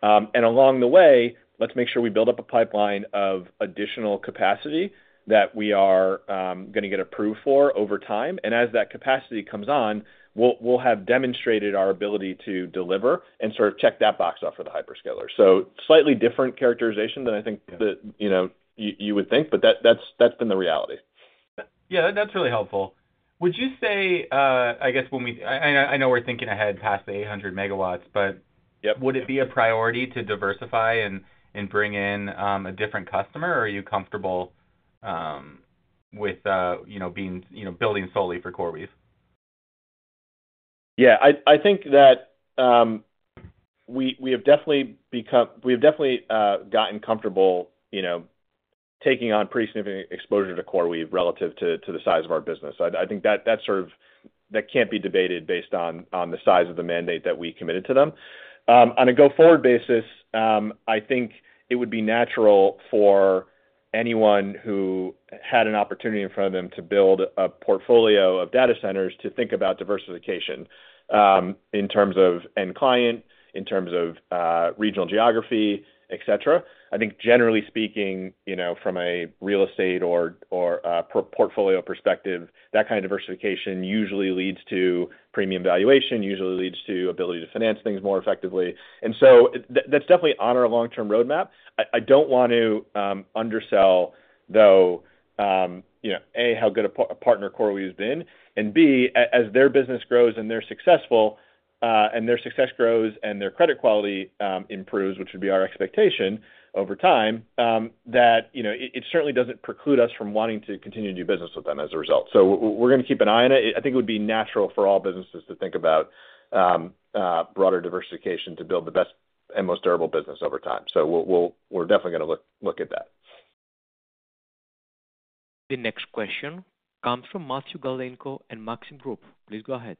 Along the way, let's make sure we build up a pipeline of additional capacity that we are going to get approved for over time. As that capacity comes on, we'll have demonstrated our ability to deliver and sort of check that box off for the hyperscaler. Slightly different characterization than I think that you would think, but that's been the reality. Yeah, that's really helpful. Would you say, I guess when we, I know we're thinking ahead past the 800 MW, would it be a priority to diversify and bring in a different customer, or are you comfortable with building solely for CoreWeave? Yeah, I think that we have definitely become, we have definitely gotten comfortable taking on pretty significant exposure to CoreWeave relative to the size of our business. I think that that's sort of, that can't be debated based on the size of the mandate that we committed to them. On a go-forward basis, I think it would be natural for anyone who had an opportunity in front of them to build a portfolio of data centers to think about diversification in terms of end client, in terms of regional geography, et cetera. I think generally speaking, from a real estate or portfolio perspective, that kind of diversification usually leads to premium valuation, usually leads to ability to finance things more effectively. That is definitely on our long-term roadmap. I don't want to undersell, though, A, how good a partner CoreWeave has been, and B, as their business grows and they're successful and their success grows and their credit quality improves, which would be our expectation over time, that it certainly doesn't preclude us from wanting to continue to do business with them as a result. We are going to keep an eye on it. I think it would be natural for all businesses to think about broader diversification to build the best and most durable business over time. We are definitely going to look at that. The next question comes from Matthew Galinko and Maxim Group. Please go ahead.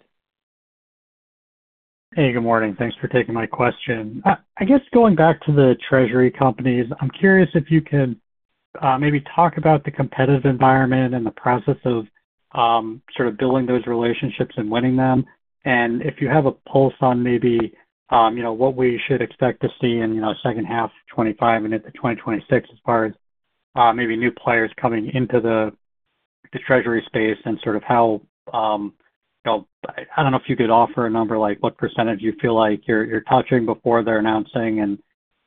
Hey, good morning. Thanks for taking my question. I guess going back to the treasury companies, I'm curious if you can maybe talk about the competitive environment and the process of building those relationships and winning them. If you have a pulse on maybe what we should expect to see in the second half of 2025 and into 2026 as far as new players coming into the treasury space and how, I don't know if you could offer a number, like what percentage you feel like you're touching before they're announcing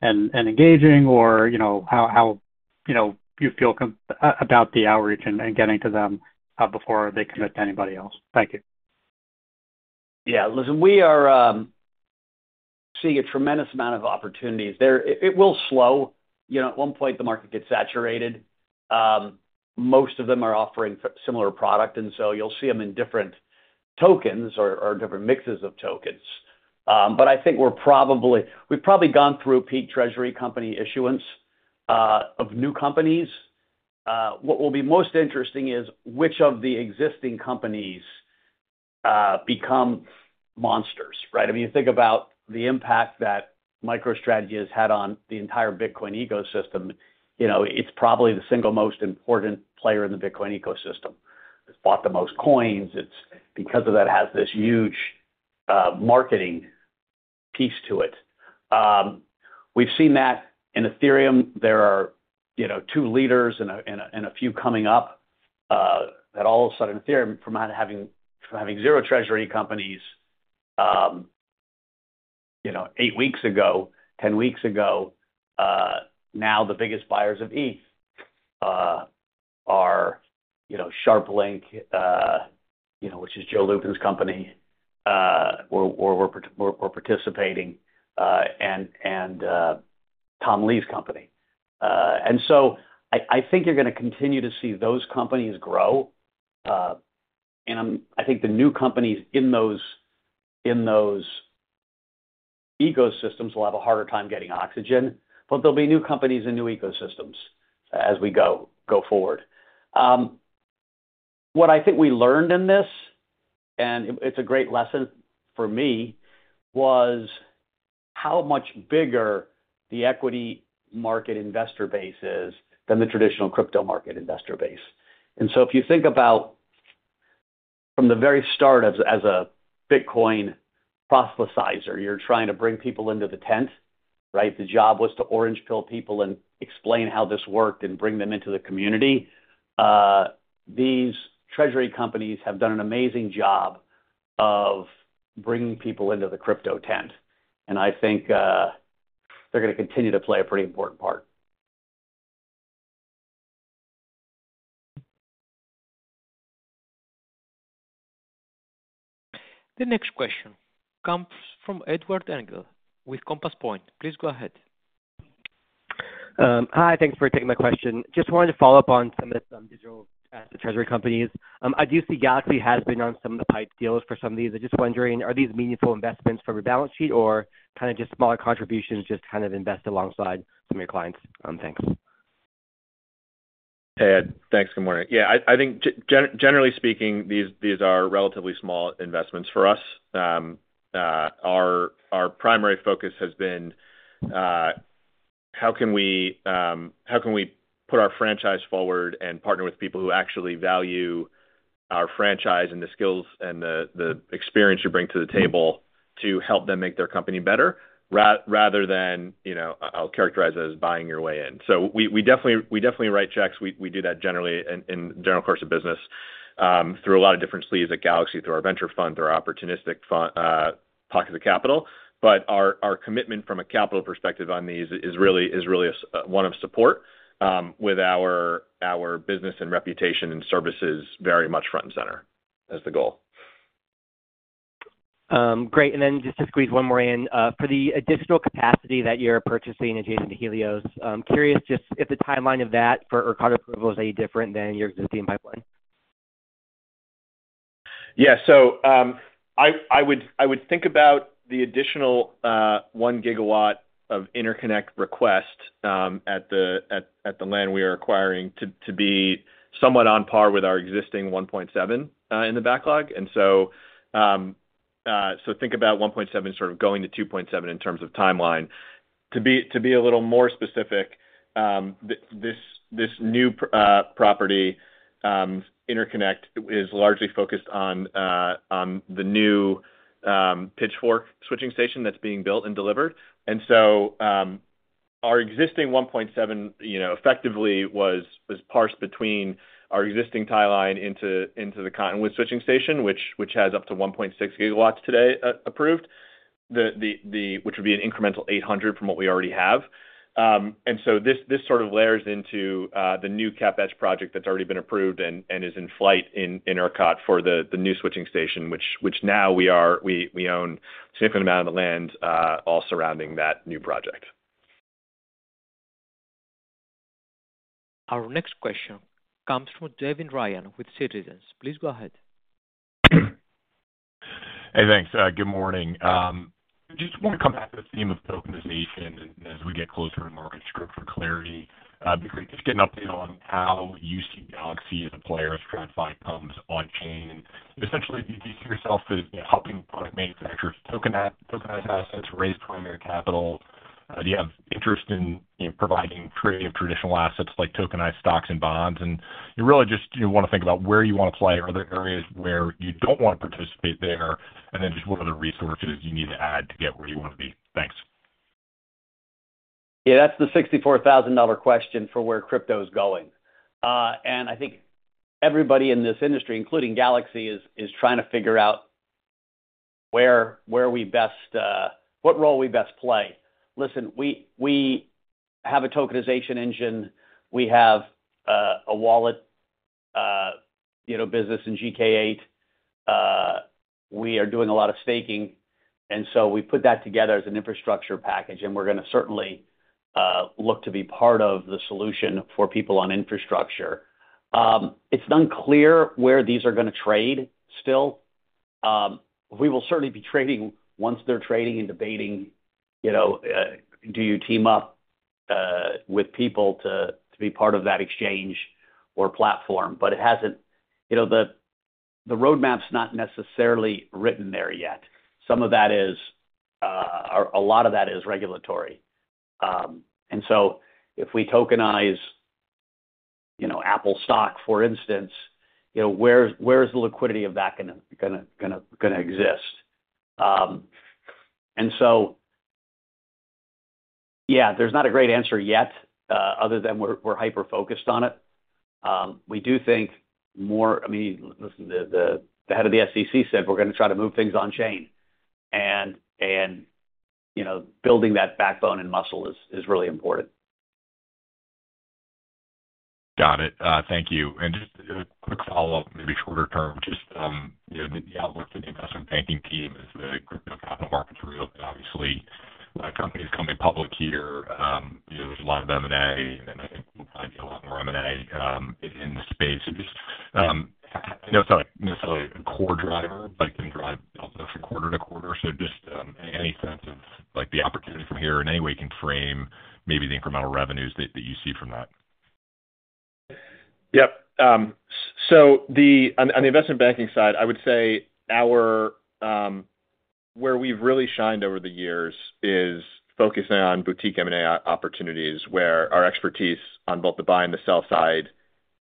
and engaging or how you feel about the outreach and getting to them before they commit to anybody else. Thank you. Yeah, listen, we are seeing a tremendous amount of opportunities there. It will slow. At one point, the market gets saturated. Most of them are offering similar products, and you'll see them in different tokens or different mixes of tokens. I think we've probably gone through peak treasury company issuance of new companies. What will be most interesting is which of the existing companies become monsters, right? I mean, you think about the impact that MicroStrategy has had on the entire Bitcoin ecosystem. It's probably the single most important player in the Bitcoin ecosystem. It's bought the most coins. Because of that, it has this huge marketing piece to it. We've seen that in Ethereum. There are two leaders and a few coming up that all of a sudden, Ethereum from having zero treasury companies eight weeks ago, 10 weeks ago, now the biggest buyers of ETH are SharpLink, which is Joe Lubin's company, or we're participating, and Tom Lee's company. I think you're going to continue to see those companies grow. I think the new companies in those ecosystems will have a harder time getting oxygen, but there'll be new companies in new ecosystems as we go forward. What I think we learned in this, and it's a great lesson for me, was how much bigger the equity market investor base is than the traditional crypto market investor base. If you think about from the very start as a Bitcoin proselytizer, you're trying to bring people into the tent, right? The job was to orange pill people and explain how this worked and bring them into the community. These treasury companies have done an amazing job of bringing people into the crypto tent. I think they're going to continue to play a pretty important part. The next question comes from Edward Engel with Compass Point. Please go ahead. Hi, thanks for taking my question. Just wanted to follow up on some of the digital treasury companies. I do see Galaxy has been on some of the pipe deals for some of these. I'm just wondering, are these meaningful investments for your balance sheet or kind of just smaller contributions just kind of invested alongside some of your clients? Thanks. Hey, Ed. Thanks. Good morning. I think generally speaking, these are relatively small investments for us. Our primary focus has been how can we put our franchise forward and partner with people who actually value our franchise and the skills and the experience you bring to the table to help them make their company better, rather than, you know, I'll characterize it as buying your way in. We definitely write checks. We do that generally in the general course of business through a lot of different sleeves at Galaxy, through our venture fund, through our opportunistic pockets of capital. Our commitment from a capital perspective on these is really one of support with our business and reputation and services very much front and center as the goal. Great. Just to squeeze one more in, for the additional capacity that you're purchasing adjacent to Helios, I'm curious if the timeline of that for ERCOT approval is any different than your existing pipeline. Yeah, I would think about the additional 1 GW of interconnect request at the land we are acquiring to be somewhat on par with our existing 1.7 GW in the backlog. Think about 1.7 GW to 2.7 GW in terms of timeline. To be a little more specific, this new property interconnect is largely focused on the new pitchfork switching station that's being built and delivered. Our existing 1.7 GW effectively was parsed between our existing tie line into the continuous switching station, which has up to 1.6 GW today approved, which would be an incremental 800 MW from what we already have. This layers into the new CapEx project that's already been approved and is in flight in ERCOT for the new switching station, which now we own a significant amount of the land all surrounding that new project. Our next question comes from Devin Ryan with Citizens. Please go ahead. Hey, thanks. Good morning. I just want to come back to the theme of tokenization as we get closer to the market script for clarity. Just getting an update on how you see Galaxy as a player of stratifying pumps on-chain. Essentially, do you see yourself helping product manufacturers tokenize assets to raise primary capital? Do you have interest in providing traditional assets like tokenized stocks and bonds? I really just want to think about where you want to play. Are there areas where you don't want to participate there? What are the resources you need to add to get where you want to be? Thanks. Yeah, that's the $64,000 question for where crypto is going. I think everybody in this industry, including Galaxy, is trying to figure out where we best, what role we best play. Listen, we have a tokenization engine. We have a wallet, you know, business in GK8. We are doing a lot of staking, and we put that together as an infrastructure package. We're going to certainly look to be part of the solution for people on infrastructure. It's unclear where these are going to trade still. We will certainly be trading once they're trading and debating, you know, do you team up with people to be part of that exchange or platform? It hasn't, you know, the roadmap's not necessarily written there yet. Some of that is, a lot of that is regulatory. If we tokenize, you know, Apple stock, for instance, where's the liquidity of that going to exist? There's not a great answer yet, other than we're hyper-focused on it. We do think more, I mean, listen, the head of the SEC said we're going to try to move things on chain. Building that backbone and muscle is really important. Got it. Thank you. Just a quick follow-up, maybe shorter term, just the outlook to the investment banking team as the crypto capital markets reopen. Obviously, a company's coming public here. There's a lot of M&A, and I think we'll probably get a lot more M&A in the space. I know it's not necessarily a core drive of it, but it can drive outlook from quarter to quarter. Just any sense of the opportunity from here in any way can frame maybe the incremental revenues that you see from that. Yep. On the investment banking side, I would say where we've really shined over the years is focusing on boutique M&A opportunities where our expertise on both the buy and the sell side,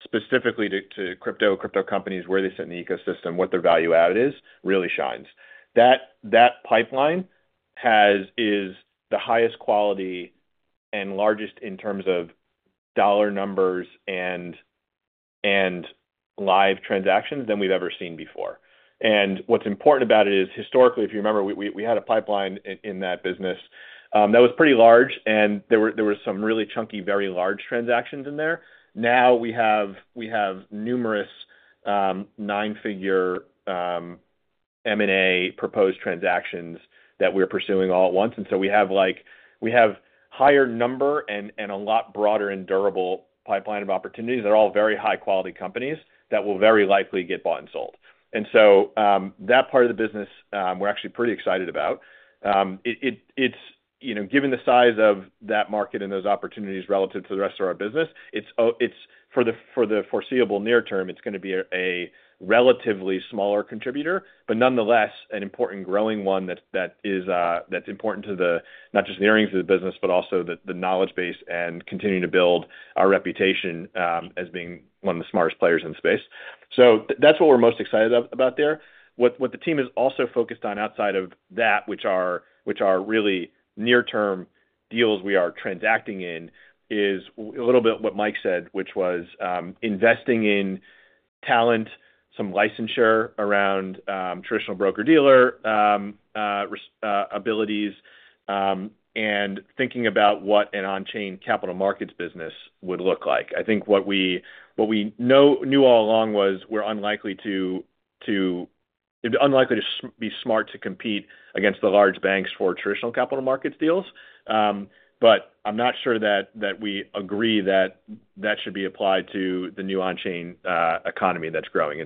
specifically to crypto, crypto companies, where they sit in the ecosystem, what their value added is, really shines. That pipeline is the highest quality and largest in terms of dollar numbers and live transactions than we've ever seen before. What's important about it is historically, if you remember, we had a pipeline in that business that was pretty large, and there were some really chunky, very large transactions in there. Now we have numerous nine-figure M&A proposed transactions that we're pursuing all at once. We have a higher number and a lot broader and durable pipeline of opportunities that are all very high-quality companies that will very likely get bought and sold. That part of the business we're actually pretty excited about. Given the size of that market and those opportunities relative to the rest of our business, for the foreseeable near term, it's going to be a relatively smaller contributor, but nonetheless an important growing one that's important to not just the earnings of the business, but also the knowledge base and continuing to build our reputation as being one of the smartest players in the space. That's what we're most excited about there. What the team is also focused on outside of that, which are really near-term deals we are transacting in, is a little bit what Mike said, which was investing in talent, some licensure around traditional broker-dealer abilities, and thinking about what an on-chain capital markets business would look like. I think what we knew all along was we're unlikely to be smart to compete against the large banks for traditional capital markets deals. I'm not sure that we agree that that should be applied to the new on-chain economy that's growing.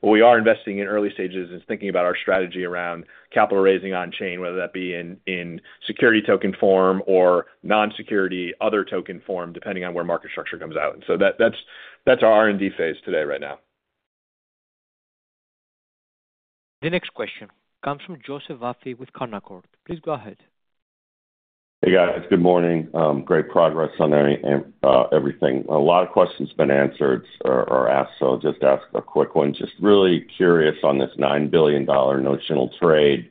What we are investing in early stages is thinking about our strategy around capital raising on chain, whether that be in security token form or non-security other token form, depending on where market structure comes out. That's our R&D phase today right now. The next question comes from Joseph Vafi with Canaccord. Please go ahead. Hey guys, good morning. Great progress on everything. A lot of questions have been answered or asked, so I'll just ask a quick one. Just really curious on this $9 billion notional trade.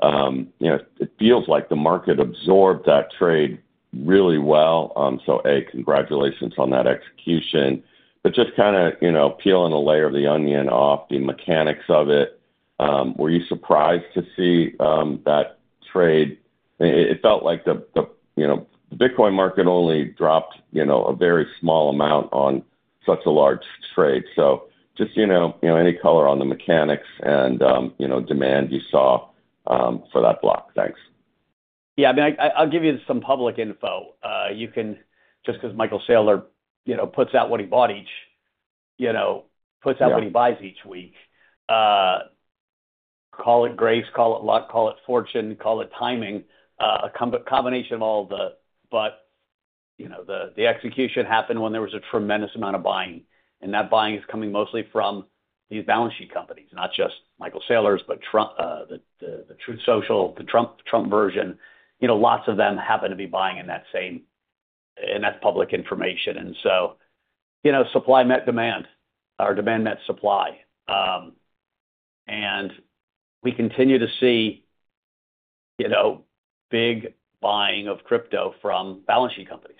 It feels like the market absorbed that trade really well. Congratulations on that execution. Just kind of peeling a layer of the onion off the mechanics of it. Were you surprised to see that trade? It felt like the Bitcoin market only dropped a very small amount on such a large trade. Any color on the mechanics and demand you saw for that block. Thanks. Yeah, I mean, I'll give you some public info. You can, just because Michael Saylor, you know, puts out what he bought each, you know, puts out what he buys each week. Call it graves, call it luck, call it fortune, call it timing, a combination of all of the, but you know, the execution happened when there was a tremendous amount of buying. That buying is coming mostly from these balance sheet companies, not just Michael Saylor's, but the Truth Social, the Trump version, you know, lots of them happen to be buying in that same, and that's public information. Supply met demand or demand met supply. We continue to see big buying of crypto from balance sheet companies.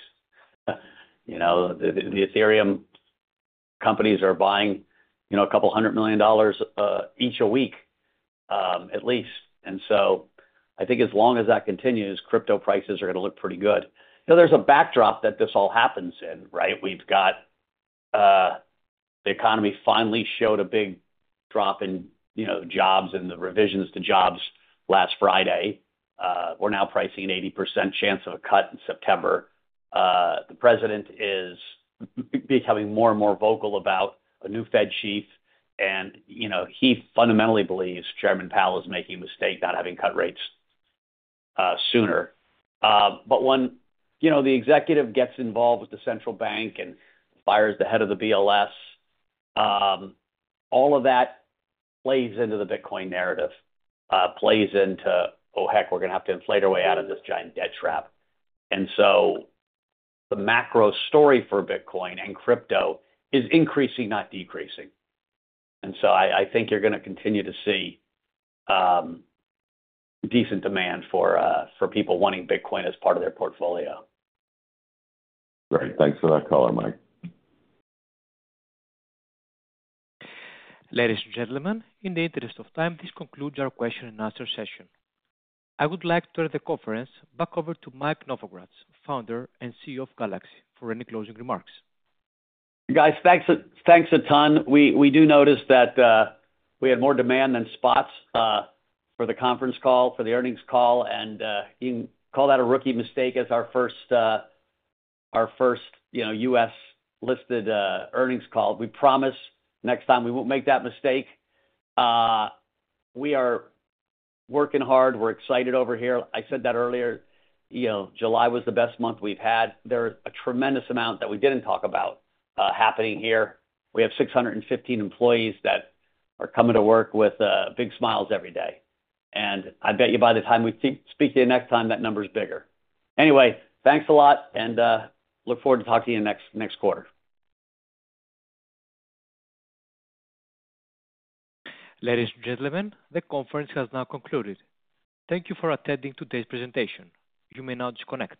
The Ethereum companies are buying a couple hundred million dollars each a week, at least. I think as long as that continues, crypto prices are going to look pretty good. Now, there's a backdrop that this all happens in, right? We've got the economy finally showed a big drop in jobs and the revisions to jobs last Friday. We're now pricing an 80% chance of a cut in September. The President is becoming more and more vocal about a new Fed chief, and you know, he fundamentally believes Chairman Powell is making a mistake not having cut rates sooner. When the executive gets involved with the central bank and fires the head of the BLS, all of that plays into the Bitcoin narrative, plays into, oh heck, we're going to have to inflate our way out of this giant debt trap. The macro story for Bitcoin and crypto is increasing, not decreasing. I think you're going to continue to see decent demand for people wanting Bitcoin as part of their portfolio. Great. Thanks for that call, Mike. Ladies and gentlemen, in the interest of time, this concludes our question and answer session. I would like to turn the conference back over to Michael Novogratz, Founder and CEO of Galaxy Digital, for any closing remarks. Guys, thanks a ton. We do notice that we had more demand than spots for the conference call, for the earnings call, and you can call that a rookie mistake as our first, you know, U.S. listed earnings call. We promise next time we will. We are working hard. We're excited over here. I said that earlier. July was the best month we've had. There's a tremendous amount that we didn't talk about happening here. We have 615 employees that are coming to work with big smiles every day. I bet you by the time we speak to you next time, that number is bigger. Anyway, thanks a lot. I look forward to talking to you next quarter. Ladies and gentlemen, the conference has now concluded. Thank you for attending today's presentation. You may now disconnect.